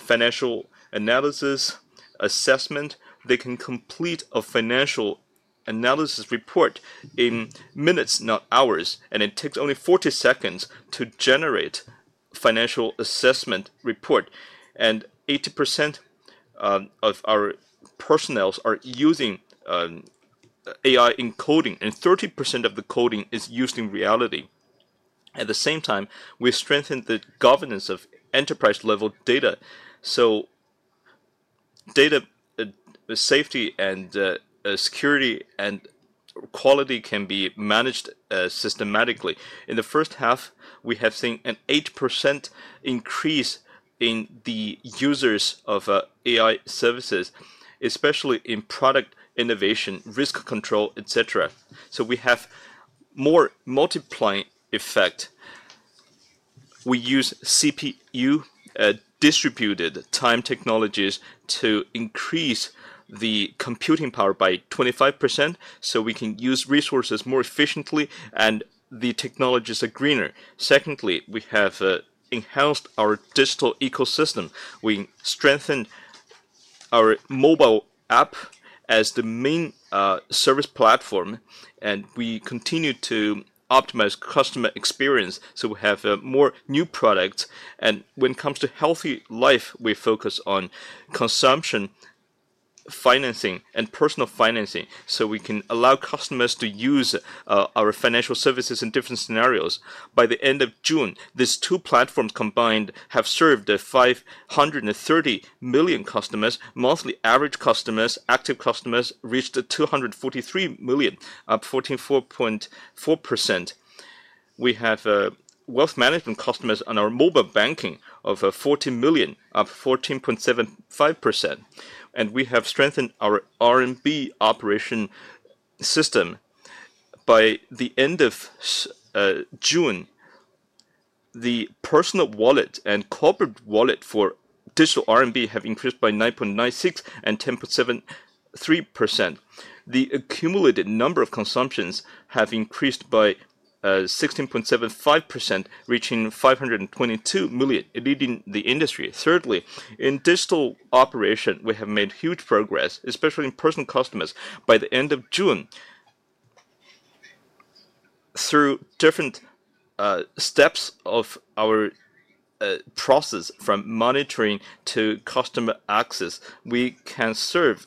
financial analysis, assessment. They can complete a financial analysis report in minutes, not hours. It takes only 40 seconds to generate a financial assessment report. 80% of our personnel are using AI encoding, and 30% of the coding is used in reality. At the same time, we've strengthened the governance of enterprise-level data, so data safety and security and quality can be managed systematically. In the first half, we have seen an 8% increase in the users of AI services, especially in product innovation, risk control, etc. We have a more multiplying effect. We use CPU-distributed time technologies to increase the computing power by 25% so we can use resources more efficiently, and the technologies are greener. Secondly, we have enhanced our digital ecosystem. We strengthened our mobile app as the main service platform, and we continue to optimize customer experience so we have more new products. When it comes to healthy life, we focus on consumption financing and personal financing so we can allow customers to use our financial services in different scenarios. By the end of June, these two platforms combined have served 530 million customers. Monthly average active customers reached 243 million, up 44.4%. We have wealth management customers on our mobile banking of 14 million, up 14.75%. We have strengthened our RMB operation system. By the end of June, the personal wallet and corporate wallet for digital CNY have increased by 9.96% and 10.73%. The accumulated number of consumptions have increased by 16.75%, reaching 522 million, leading the industry. Thirdly, in digital operation, we have made huge progress, especially in personal customers. By the end of June, through different steps of our process, from monitoring to customer access, we can serve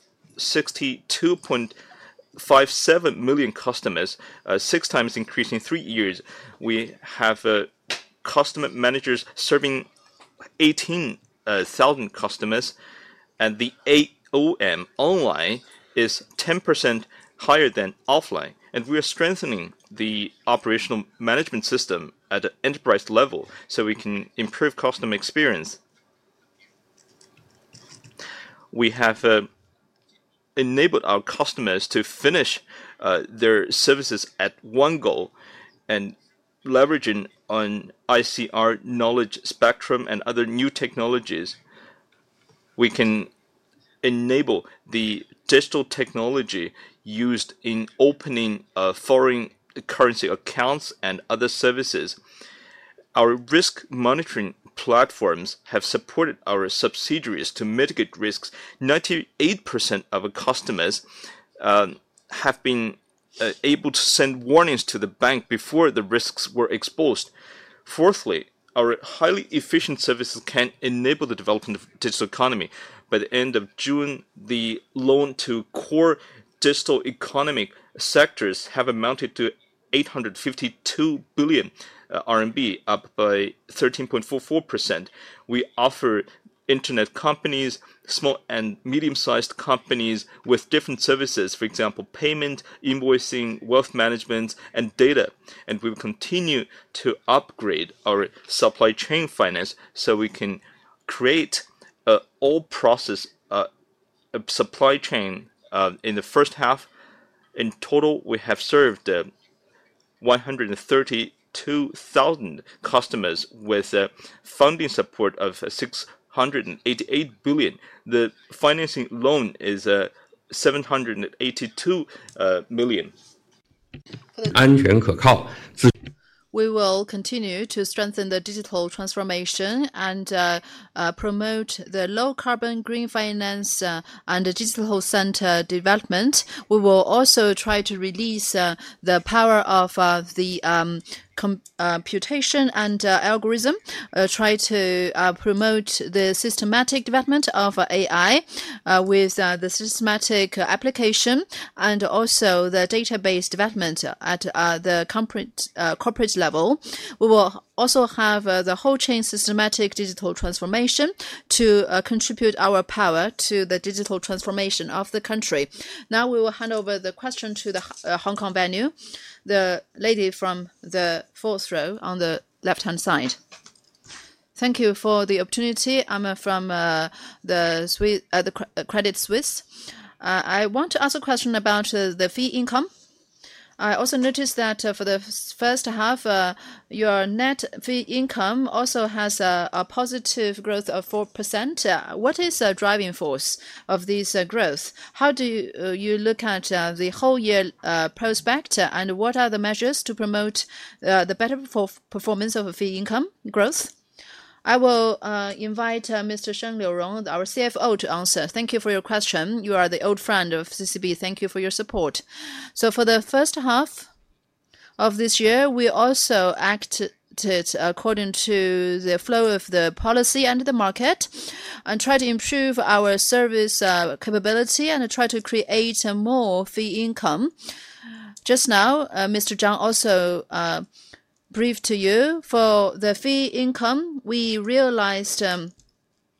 62.57 million customers, six times increasing three years. We have customer managers serving 18,000 customers. The AOM online is 10% higher than offline. We are strengthening the operational management system at an enterprise level so we can improve customer experience. We have enabled our customers to finish their services at one goal and leveraging on ICR, Knowledge Spectrum, and other new technologies. We can enable the digital technology used in opening foreign currency accounts and other services. Our risk monitoring platforms have supported our subsidiaries to mitigate risks. 98% of our customers have been able to send warnings to the bank before the risks were exposed. Fourthly, our highly efficient services can enable the development of the digital economy. By the end of June, the loan to core digital economy sectors have amounted to 852 billion RMB, up by 13.44%. We offer internet companies, small and medium-sized companies with different services, for example, payment, invoicing, wealth management, and data. We will continue to upgrade our supply chain finance so we can create an all-process supply chain. In the first half, in total, we have served 132,000 customers with funding support of 688 billion. The financing loan is 782 million. We will continue to strengthen the digital transformation and promote the low-carbon, green finance, and digital center development. We will also try to release the power of the computation and algorithm, try to promote the systematic development of AI with the systematic application and also the database development at the corporate level. We will also have the whole chain systematic digital transformation to contribute our power to the digital transformation of the country. Now we will hand over the question to the Hong Kong venue, the lady from the fourth row on the left-hand side. Thank you for the opportunity. I'm from Credit Suisse. I want to ask a question about the fee income. I also noticed that for the first half, your net fee income also has a positive growth of 4%. What is the driving force of this growth? How do you look at the whole year prospect, and what are the measures to promote the better performance of fee income growth? I will invite Mr. Sheng Liurong, our CFO, to answer. Thank you for your question. You are the old friend of CCB. Thank you for your support. For the first half of this year, we also acted according to the flow of the policy and the market and tried to improve our service capability and tried to create more fee income. Just now, Mr. Zhang also briefed you. For the fee income, we realized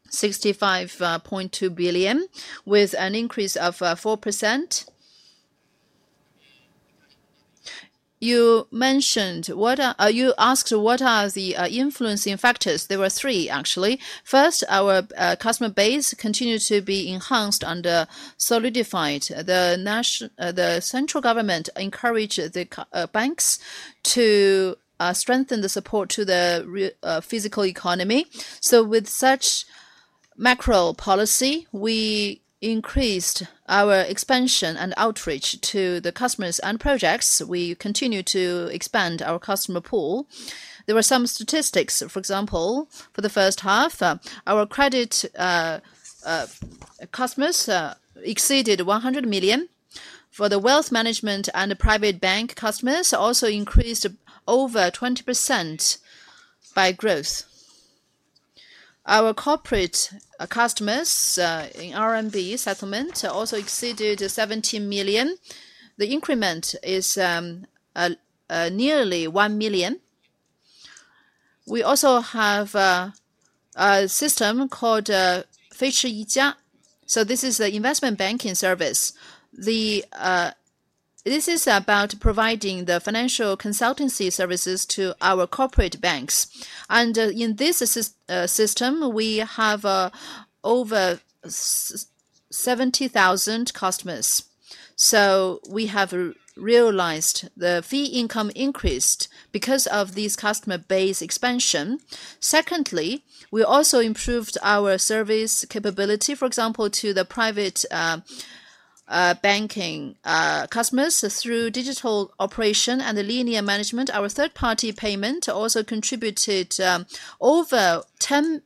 65.2 billion with an increase of 4%. You mentioned you asked what are the influencing factors. There were three, actually. First, our customer base continues to be enhanced and solidified. The central government encouraged the banks to strengthen the support to the physical economy. With such macro policy, we increased our expansion and outreach to the customers and projects. We continue to expand our customer pool. There were some statistics. For example, for the first half, our credit customers exceeded 100 million. For the wealth management and private bank customers, also increased over 20% by growth. Our corporate customers in CNY settlement also exceeded 1.7 million. The increment is nearly 1 million. We also have a system called Feixu Yijia. This is the investment banking service. This is about providing the financial consultancy services to our corporate banks. In this system, we have over 70,000 customers. We have realized the fee income increased because of this customer base expansion. Secondly, we also improved our service capability, for example, to the private banking customers through digital operation and linear management. Our third-party payment also contributed over 10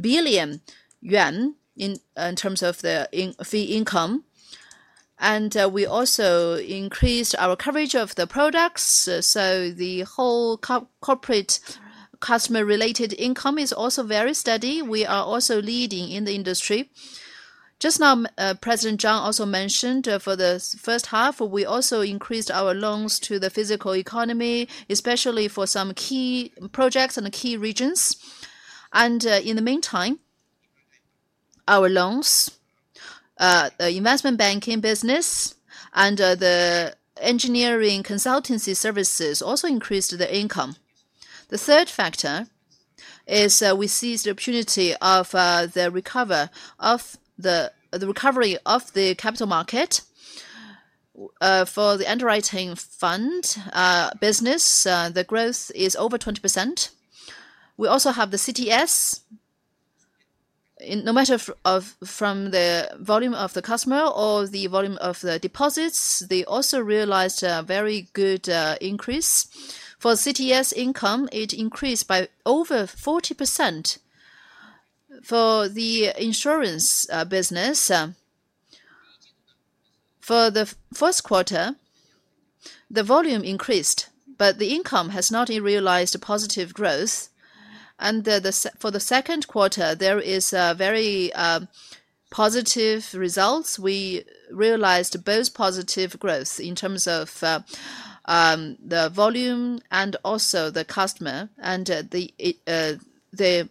billion yuan in terms of the fee income, and we also increased our coverage of the products. The whole corporate customer-related income is also very steady. We are also leading in the industry. Just now, President Zhang also mentioned for the first half, we also increased our loans to the physical economy, especially for some key projects and key regions. In the meantime, our loans, the investment banking business, and the engineering consultancy services also increased the income. The third factor is we see the opportunity of the recovery of the capital market for the underwriting fund business. The growth is over 20%. We also have the CTS. No matter from the volume of the customer or the volume of the deposits, they also realized a very good increase. For CTS income, it increased by over 40%. For the insurance business, for the first quarter, the volume increased, but the income has not realized positive growth. For the second quarter, there are very positive results. We realized both positive growth in terms of the volume and also the customer, and the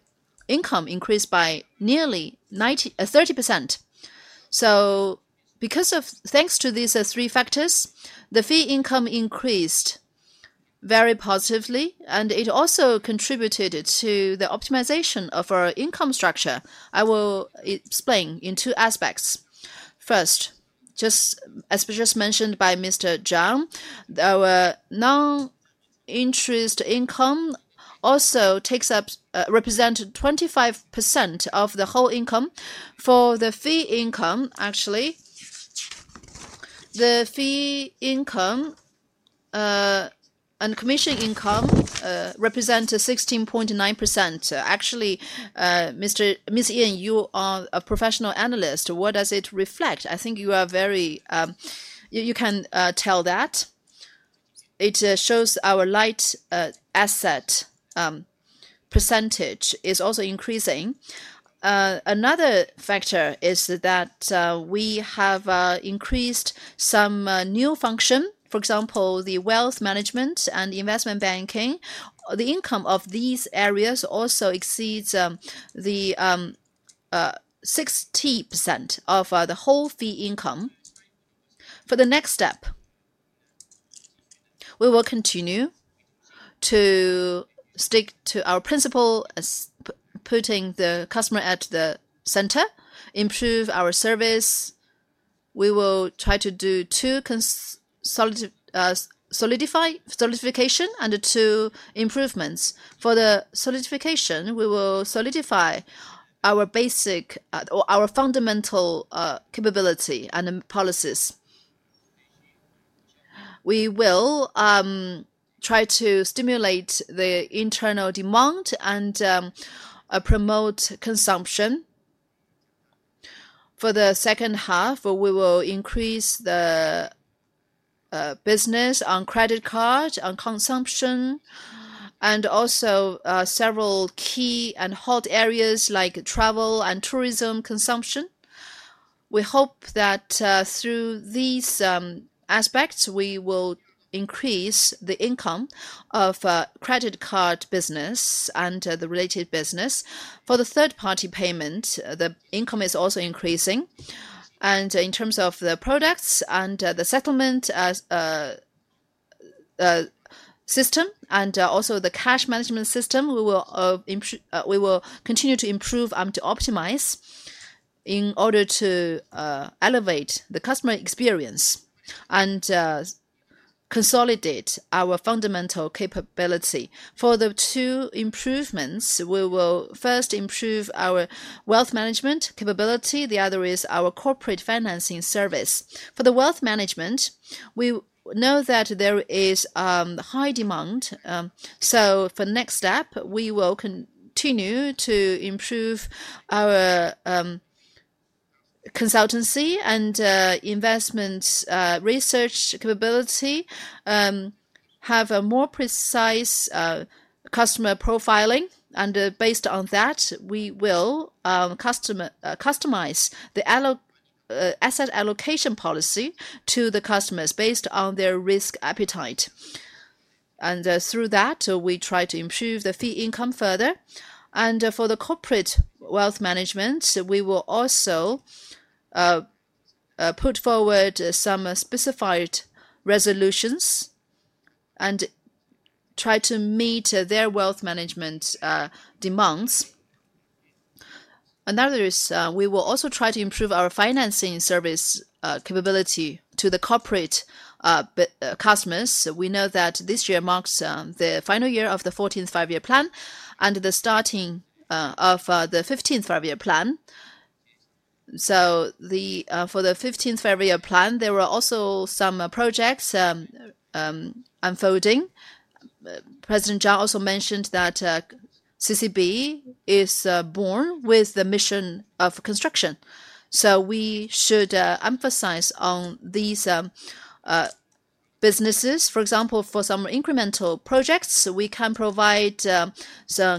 income increased by nearly 30%. Thanks to these three factors, the fee income increased very positively, and it also contributed to the optimization of our income structure. I will explain in two aspects. First, just as was just mentioned by Mr. Zhang, our non-interest income also takes up, represent 25% of the whole income. For the fee income, actually, the fee income and commission income represent 16.9%. Actually, Ms. Yin, you are a professional analyst. What does it reflect? I think you can tell that. It shows our light asset percentage is also increasing. Another factor is that we have increased some new function. For example, the wealth management and investment banking. The income of these areas also exceeds 60% of the whole fee income. For the next step, we will continue to stick to our principle, putting the customer at the center, improve our service. We will try to do two solidification and two improvements. For the solidification, we will solidify our basic or our fundamental capability and policies. We will try to stimulate the internal demand and promote consumption. For the second half, we will increase the business on credit card and consumption, and also several key and hot areas like travel and tourism consumption. We hope that through these aspects, we will increase the income of credit card business and the related business. For the third-party payment, the income is also increasing. In terms of the products and the settlement system and also the cash management system, we will continue to improve and to optimize in order to elevate the customer experience and consolidate our fundamental capability. For the two improvements, we will first improve our wealth management capability. The other is our corporate financing service. For the wealth management, we know that there is high demand. For the next step, we will continue to improve our consultancy and investment research capability, have a more precise customer profiling. Based on that, we will customize the asset allocation policy to the customers based on their risk appetite. Through that, we try to improve the fee income further. For the corporate wealth management, we will also put forward some specified resolutions and try to meet their wealth management demands. Another is we will also try to improve our financing service capability to the corporate customers. We know that this year marks the final year of the 14th five-year plan and the starting of the 15th five-year plan. For the 15th five-year plan, there were also some projects unfolding. President Zhang also mentioned that CCB is born with the mission of construction. We should emphasize on these businesses. For example, for some incremental projects, we can provide some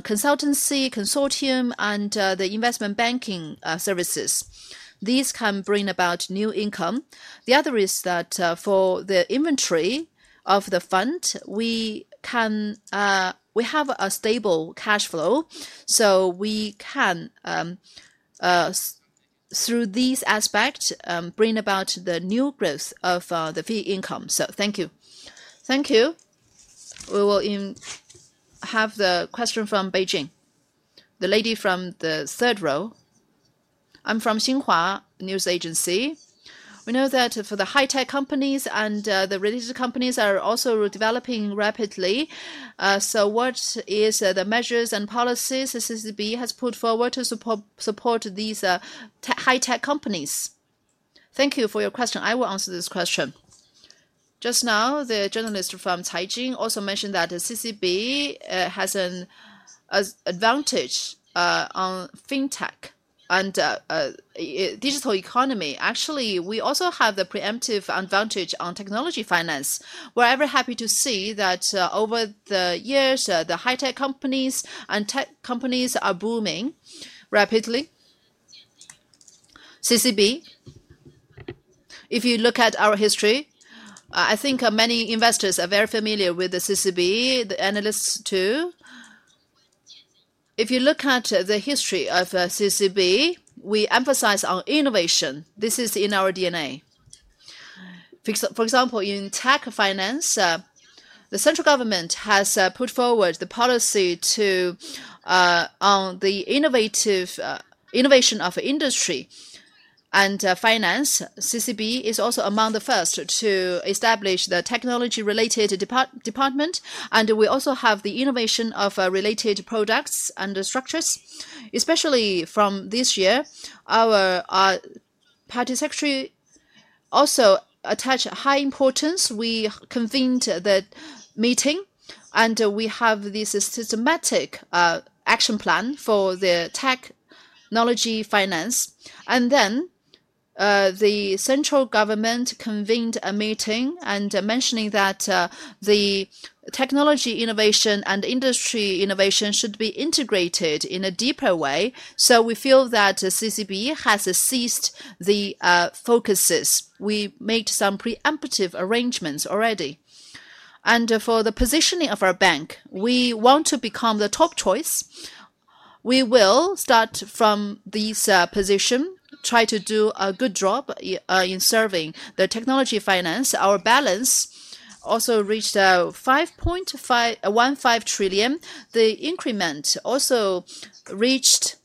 consultancy, consortium, and the investment banking services. These can bring about new income. The other is that for the inventory of the fund, we have a stable cash flow. We can, through these aspects, bring about the new growth of the fee income. Thank you. Thank you. We will have the question from Beijing, the lady from the third row. I'm from Xinhua News Agency. We know that for the high-tech companies and the related companies are also developing rapidly. What are the measures and policies CCB has put forward to support these high-tech companies? Thank you for your question. I will answer this question. Just now, the journalist from Taiping also mentioned that CCB has an advantage on fintech and digital economy. Actually, we also have the preemptive advantage on technology finance. We're very happy to see that over the years, the high-tech companies and tech companies are booming rapidly. CCB, if you look at our history, I think many investors are very familiar with the CCB, the analysts too. If you look at the history of CCB, we emphasize on innovation. This is in our DNA. For example, in tech finance, the central government has put forward the policy on the innovation of industry and finance. CCB is also among the first to establish the technology-related department. We also have the innovation of related products and structures. Especially from this year, our Party Secretary also attached high importance. We convened the meeting, and we have this systematic action plan for the technology finance. The central government convened a meeting and mentioned that technology innovation and industry innovation should be integrated in a deeper way. We feel that CCB has seized the focuses. We made some preemptive arrangements already. For the positioning of our bank, we want to become the top choice. We will start from this position, try to do a good job in serving technology finance. Our balance also reached 1.5 trillion. The increment also reached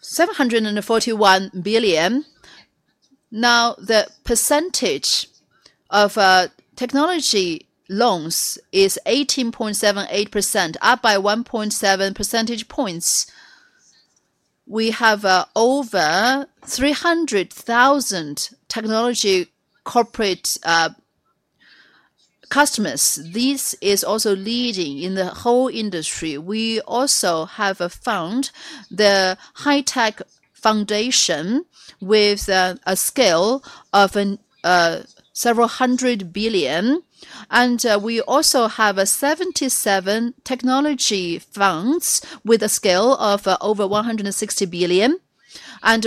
741 billion. Now, the percentage of technology loans is 18.78%, up by 1.7 percentage points. We have over 300,000 technology corporate customers. This is also leading in the whole industry. We have also found the high-tech foundation with a scale of several hundred billion. We also have 77 technology funds with a scale of over 160 billion.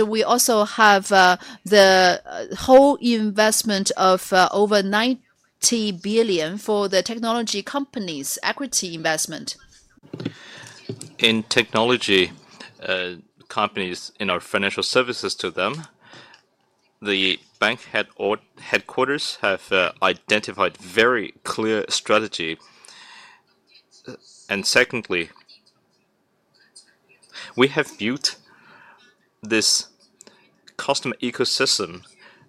We also have the whole investment of over 90 billion for the technology companies' equity investment. In technology companies, in our financial services to them, the bank headquarters have identified a very clear strategy. Secondly, we have built this customer ecosystem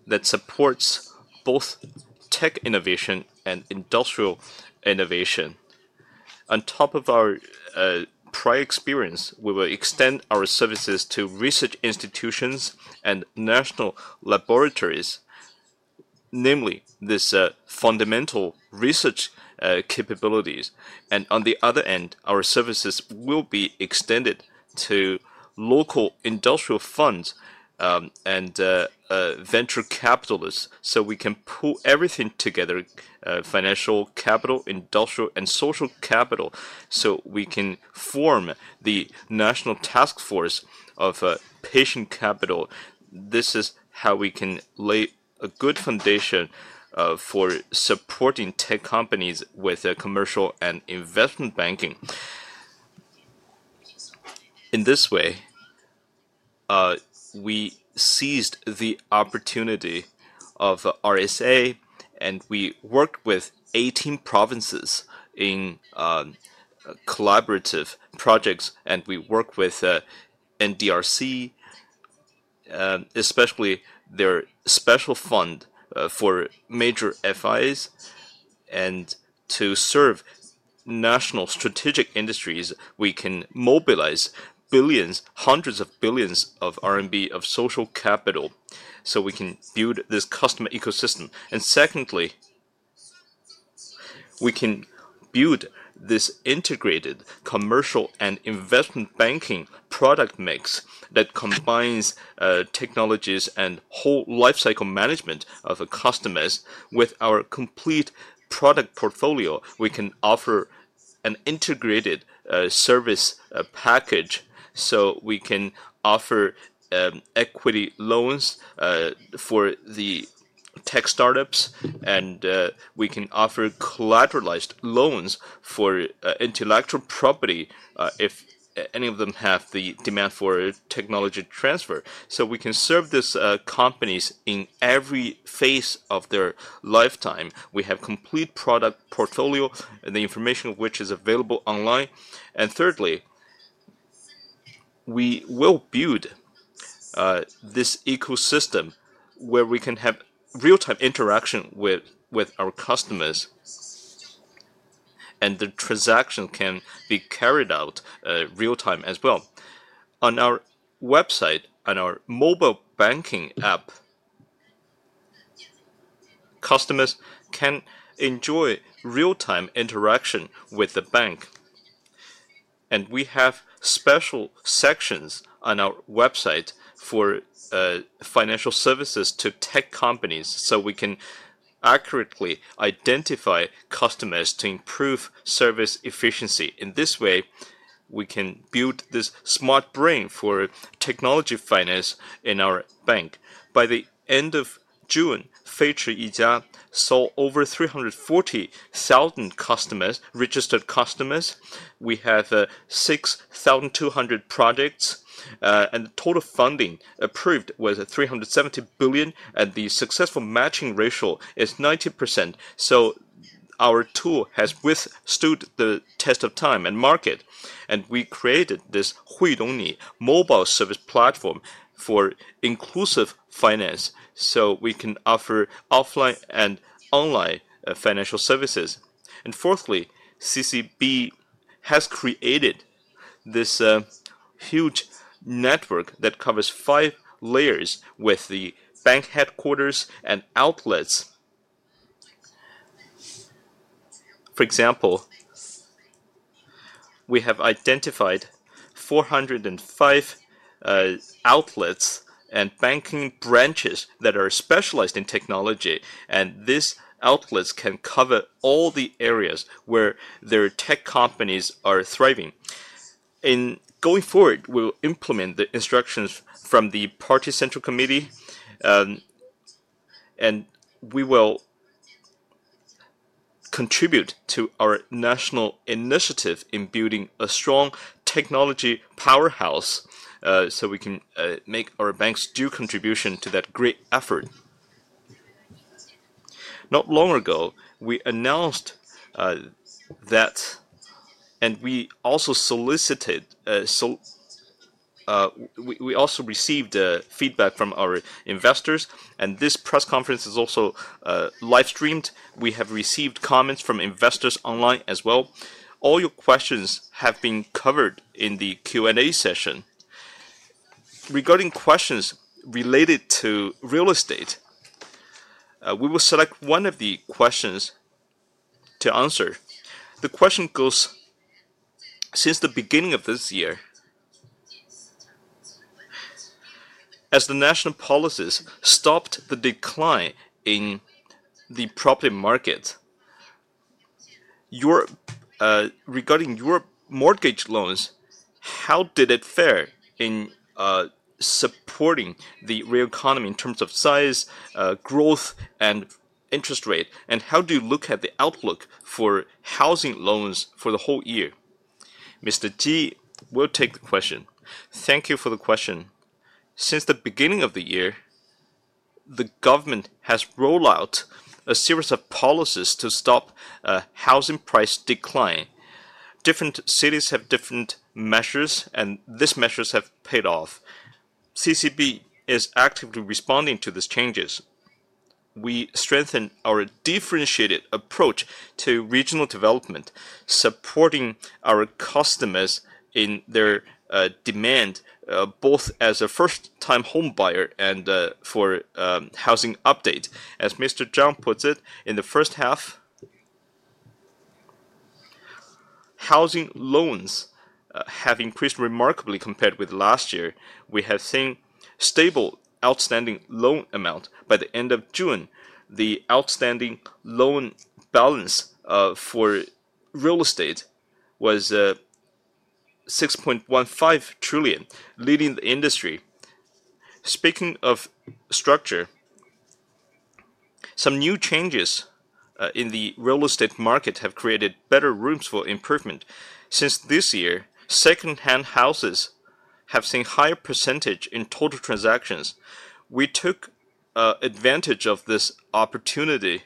that supports both tech innovation and industrial innovation. On top of our prior experience, we will extend our services to research institutions and national laboratories, namely this fundamental research capabilities. On the other end, our services will be extended to local industrial funds and venture capitalists so we can pull everything together: financial capital, industrial, and social capital, so we can form the national task force of patient capital. This is how we can lay a good foundation for supporting tech companies with commercial and investment banking. In this way, we seized the opportunity of RSA, and we worked with 18 provinces in collaborative projects. We worked with NDRC, especially their special fund for major FIs. To serve national strategic industries, we can mobilize hundreds of billions of CNY of social capital so we can build this customer ecosystem. Secondly, we can build this integrated commercial and investment banking product mix that combines technologies and whole lifecycle management of customers with our complete product portfolio. We can offer an integrated service package. We can offer equity loans for the tech startups, and we can offer collateralized loans for intellectual property if any of them have the demand for technology transfer. We can serve these companies in every phase of their lifetime. We have a complete product portfolio and the information which is available online. Thirdly, we will build this ecosystem where we can have real-time interaction with our customers, and the transaction can be carried out real-time as well. On our website, on our mobile banking app, customers can enjoy real-time interaction with the bank. We have special sections on our website for financial services to tech companies so we can accurately identify customers to improve service efficiency. In this way, we can build this smart brain for technology finance in our bank. By the end of June, Feiqiu Yizhao saw over 340,000 registered customers. We have 6,200 projects, and the total funding approved was 370 billion. The successful matching ratio is 90%. Our tool has withstood the test of time and market. We created this Hui Dongyi mobile service platform for inclusive finance so we can offer offline and online financial services. Fourthly, CCB has created this huge network that covers five layers with the bank headquarters and outlets. For example, we have identified 405 outlets and banking branches that are specialized in technology. These outlets can cover all the areas where tech companies are thriving. Going forward, we will implement the instructions from the Party Central Committee, and we will contribute to our national initiative in building a strong technology powerhouse so we can make our banks do contribution to that great effort. Not long ago, we announced that, and we also received feedback from our investors. This press conference is also live-streamed. We have received comments from investors online as well. All your questions have been covered in the Q&A session. Regarding questions related to real estate, we will select one of the questions to answer. The question goes, since the beginning of this year, as the national policies stopped the decline in the property market, regarding your mortgage loans, how did it fare in supporting the real economy in terms of size, growth, and interest rate? How do you look at the outlook for housing loans for the whole year? Mr. T will take the question. Thank you for the question. Since the beginning of the year, the government has rolled out a series of policies to stop housing price decline. Different cities have different measures, and these measures have paid off. CCB is actively responding to these changes. We strengthen our differentiated approach to regional development, supporting our customers in their demand, both as a first-time home buyer and for housing update. As Mr. Zhang puts it, in the first half, housing loans have increased remarkably compared with last year. We have seen a stable outstanding loan amount. By the end of June, the outstanding loan balance for real estate was 6.15 trillion, leading the industry. Speaking of structure, some new changes in the real estate market have created better rooms for improvement. Since this year, second-hand houses have seen a higher percentage in total transactions. We took advantage of this opportunity,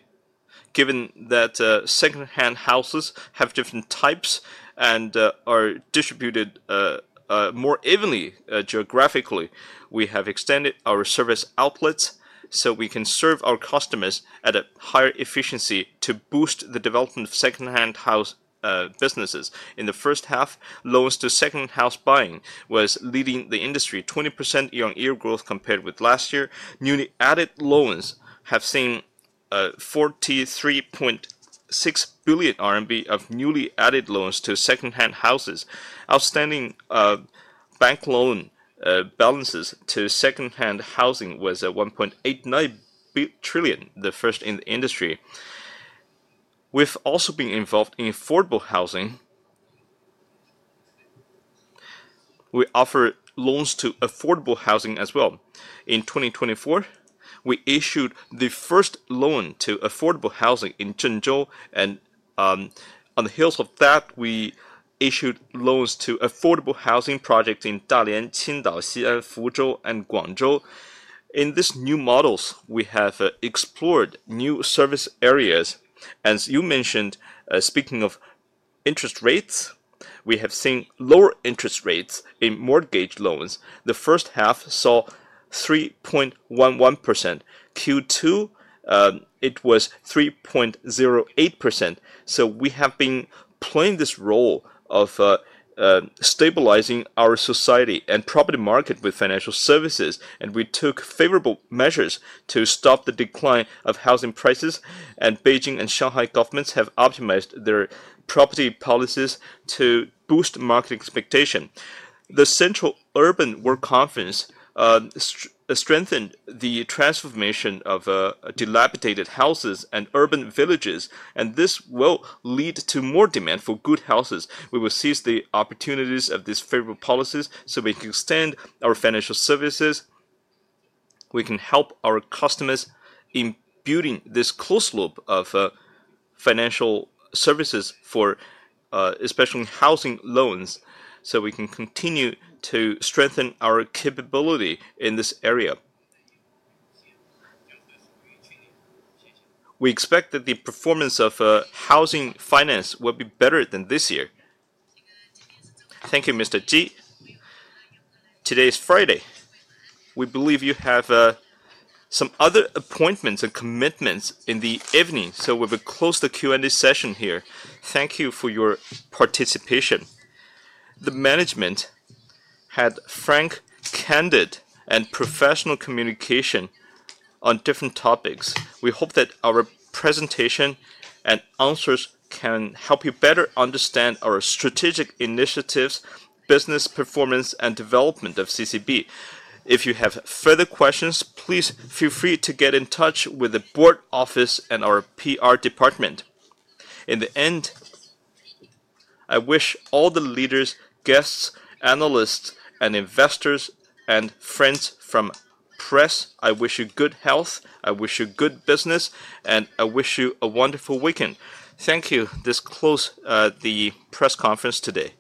given that second-hand houses have different types and are distributed more evenly geographically. We have extended our service outlets so we can serve our customers at a higher efficiency to boost the development of second-hand house businesses. In the first half, loans to second house buying were leading the industry, 20% year-on-year growth compared with last year. Newly added loans have seen 43.6 billion RMB of newly added loans to second-hand houses. Outstanding bank loan balances to second-hand housing were 1.89 trillion, the first in the industry. With also being involved in affordable housing, we offer loans to affordable housing as well. In 2024, we issued the first loan to affordable housing in Zhengzhou. On the heels of that, we issued loans to affordable housing projects in Dalian, Qingdao, Xi'an, Fuzhou, and Guangzhou. In these new models, we have explored new service areas. As you mentioned, speaking of interest rates, we have seen lower interest rates in mortgage loans. The first half saw 3.11%. In Q2, it was 3.08%. We have been playing this role of stabilizing our society and property market with financial services. We took favorable measures to stop the decline of housing prices. Beijing and Shanghai governments have optimized their property policies to boost market expectation. The Central Urban Work Conference strengthened the transformation of dilapidated houses and urban villages. This will lead to more demand for good houses. We will seize the opportunities of these favorable policies so we can extend our financial services. We can help our customers in building this closed loop of financial services for especially housing loans so we can continue to strengthen our capability in this area. We expect that the performance of housing finance will be better than this year. Thank you, Mr. T. Today is Friday. We believe you have some other appointments and commitments in the evening, so we will close the Q&A session here. Thank you for your participation. The management had frank, candid, and professional communication on different topics. We hope that our presentation and answers can help you better understand our strategic initiatives, business performance, and development of CCB. If you have further questions, please feel free to get in touch with the board office and our PR department. In the end, I wish all the leaders, guests, analysts, investors, and friends from press, I wish you good health, I wish you good business, and I wish you a wonderful weekend. Thank you. This closes the press conference today.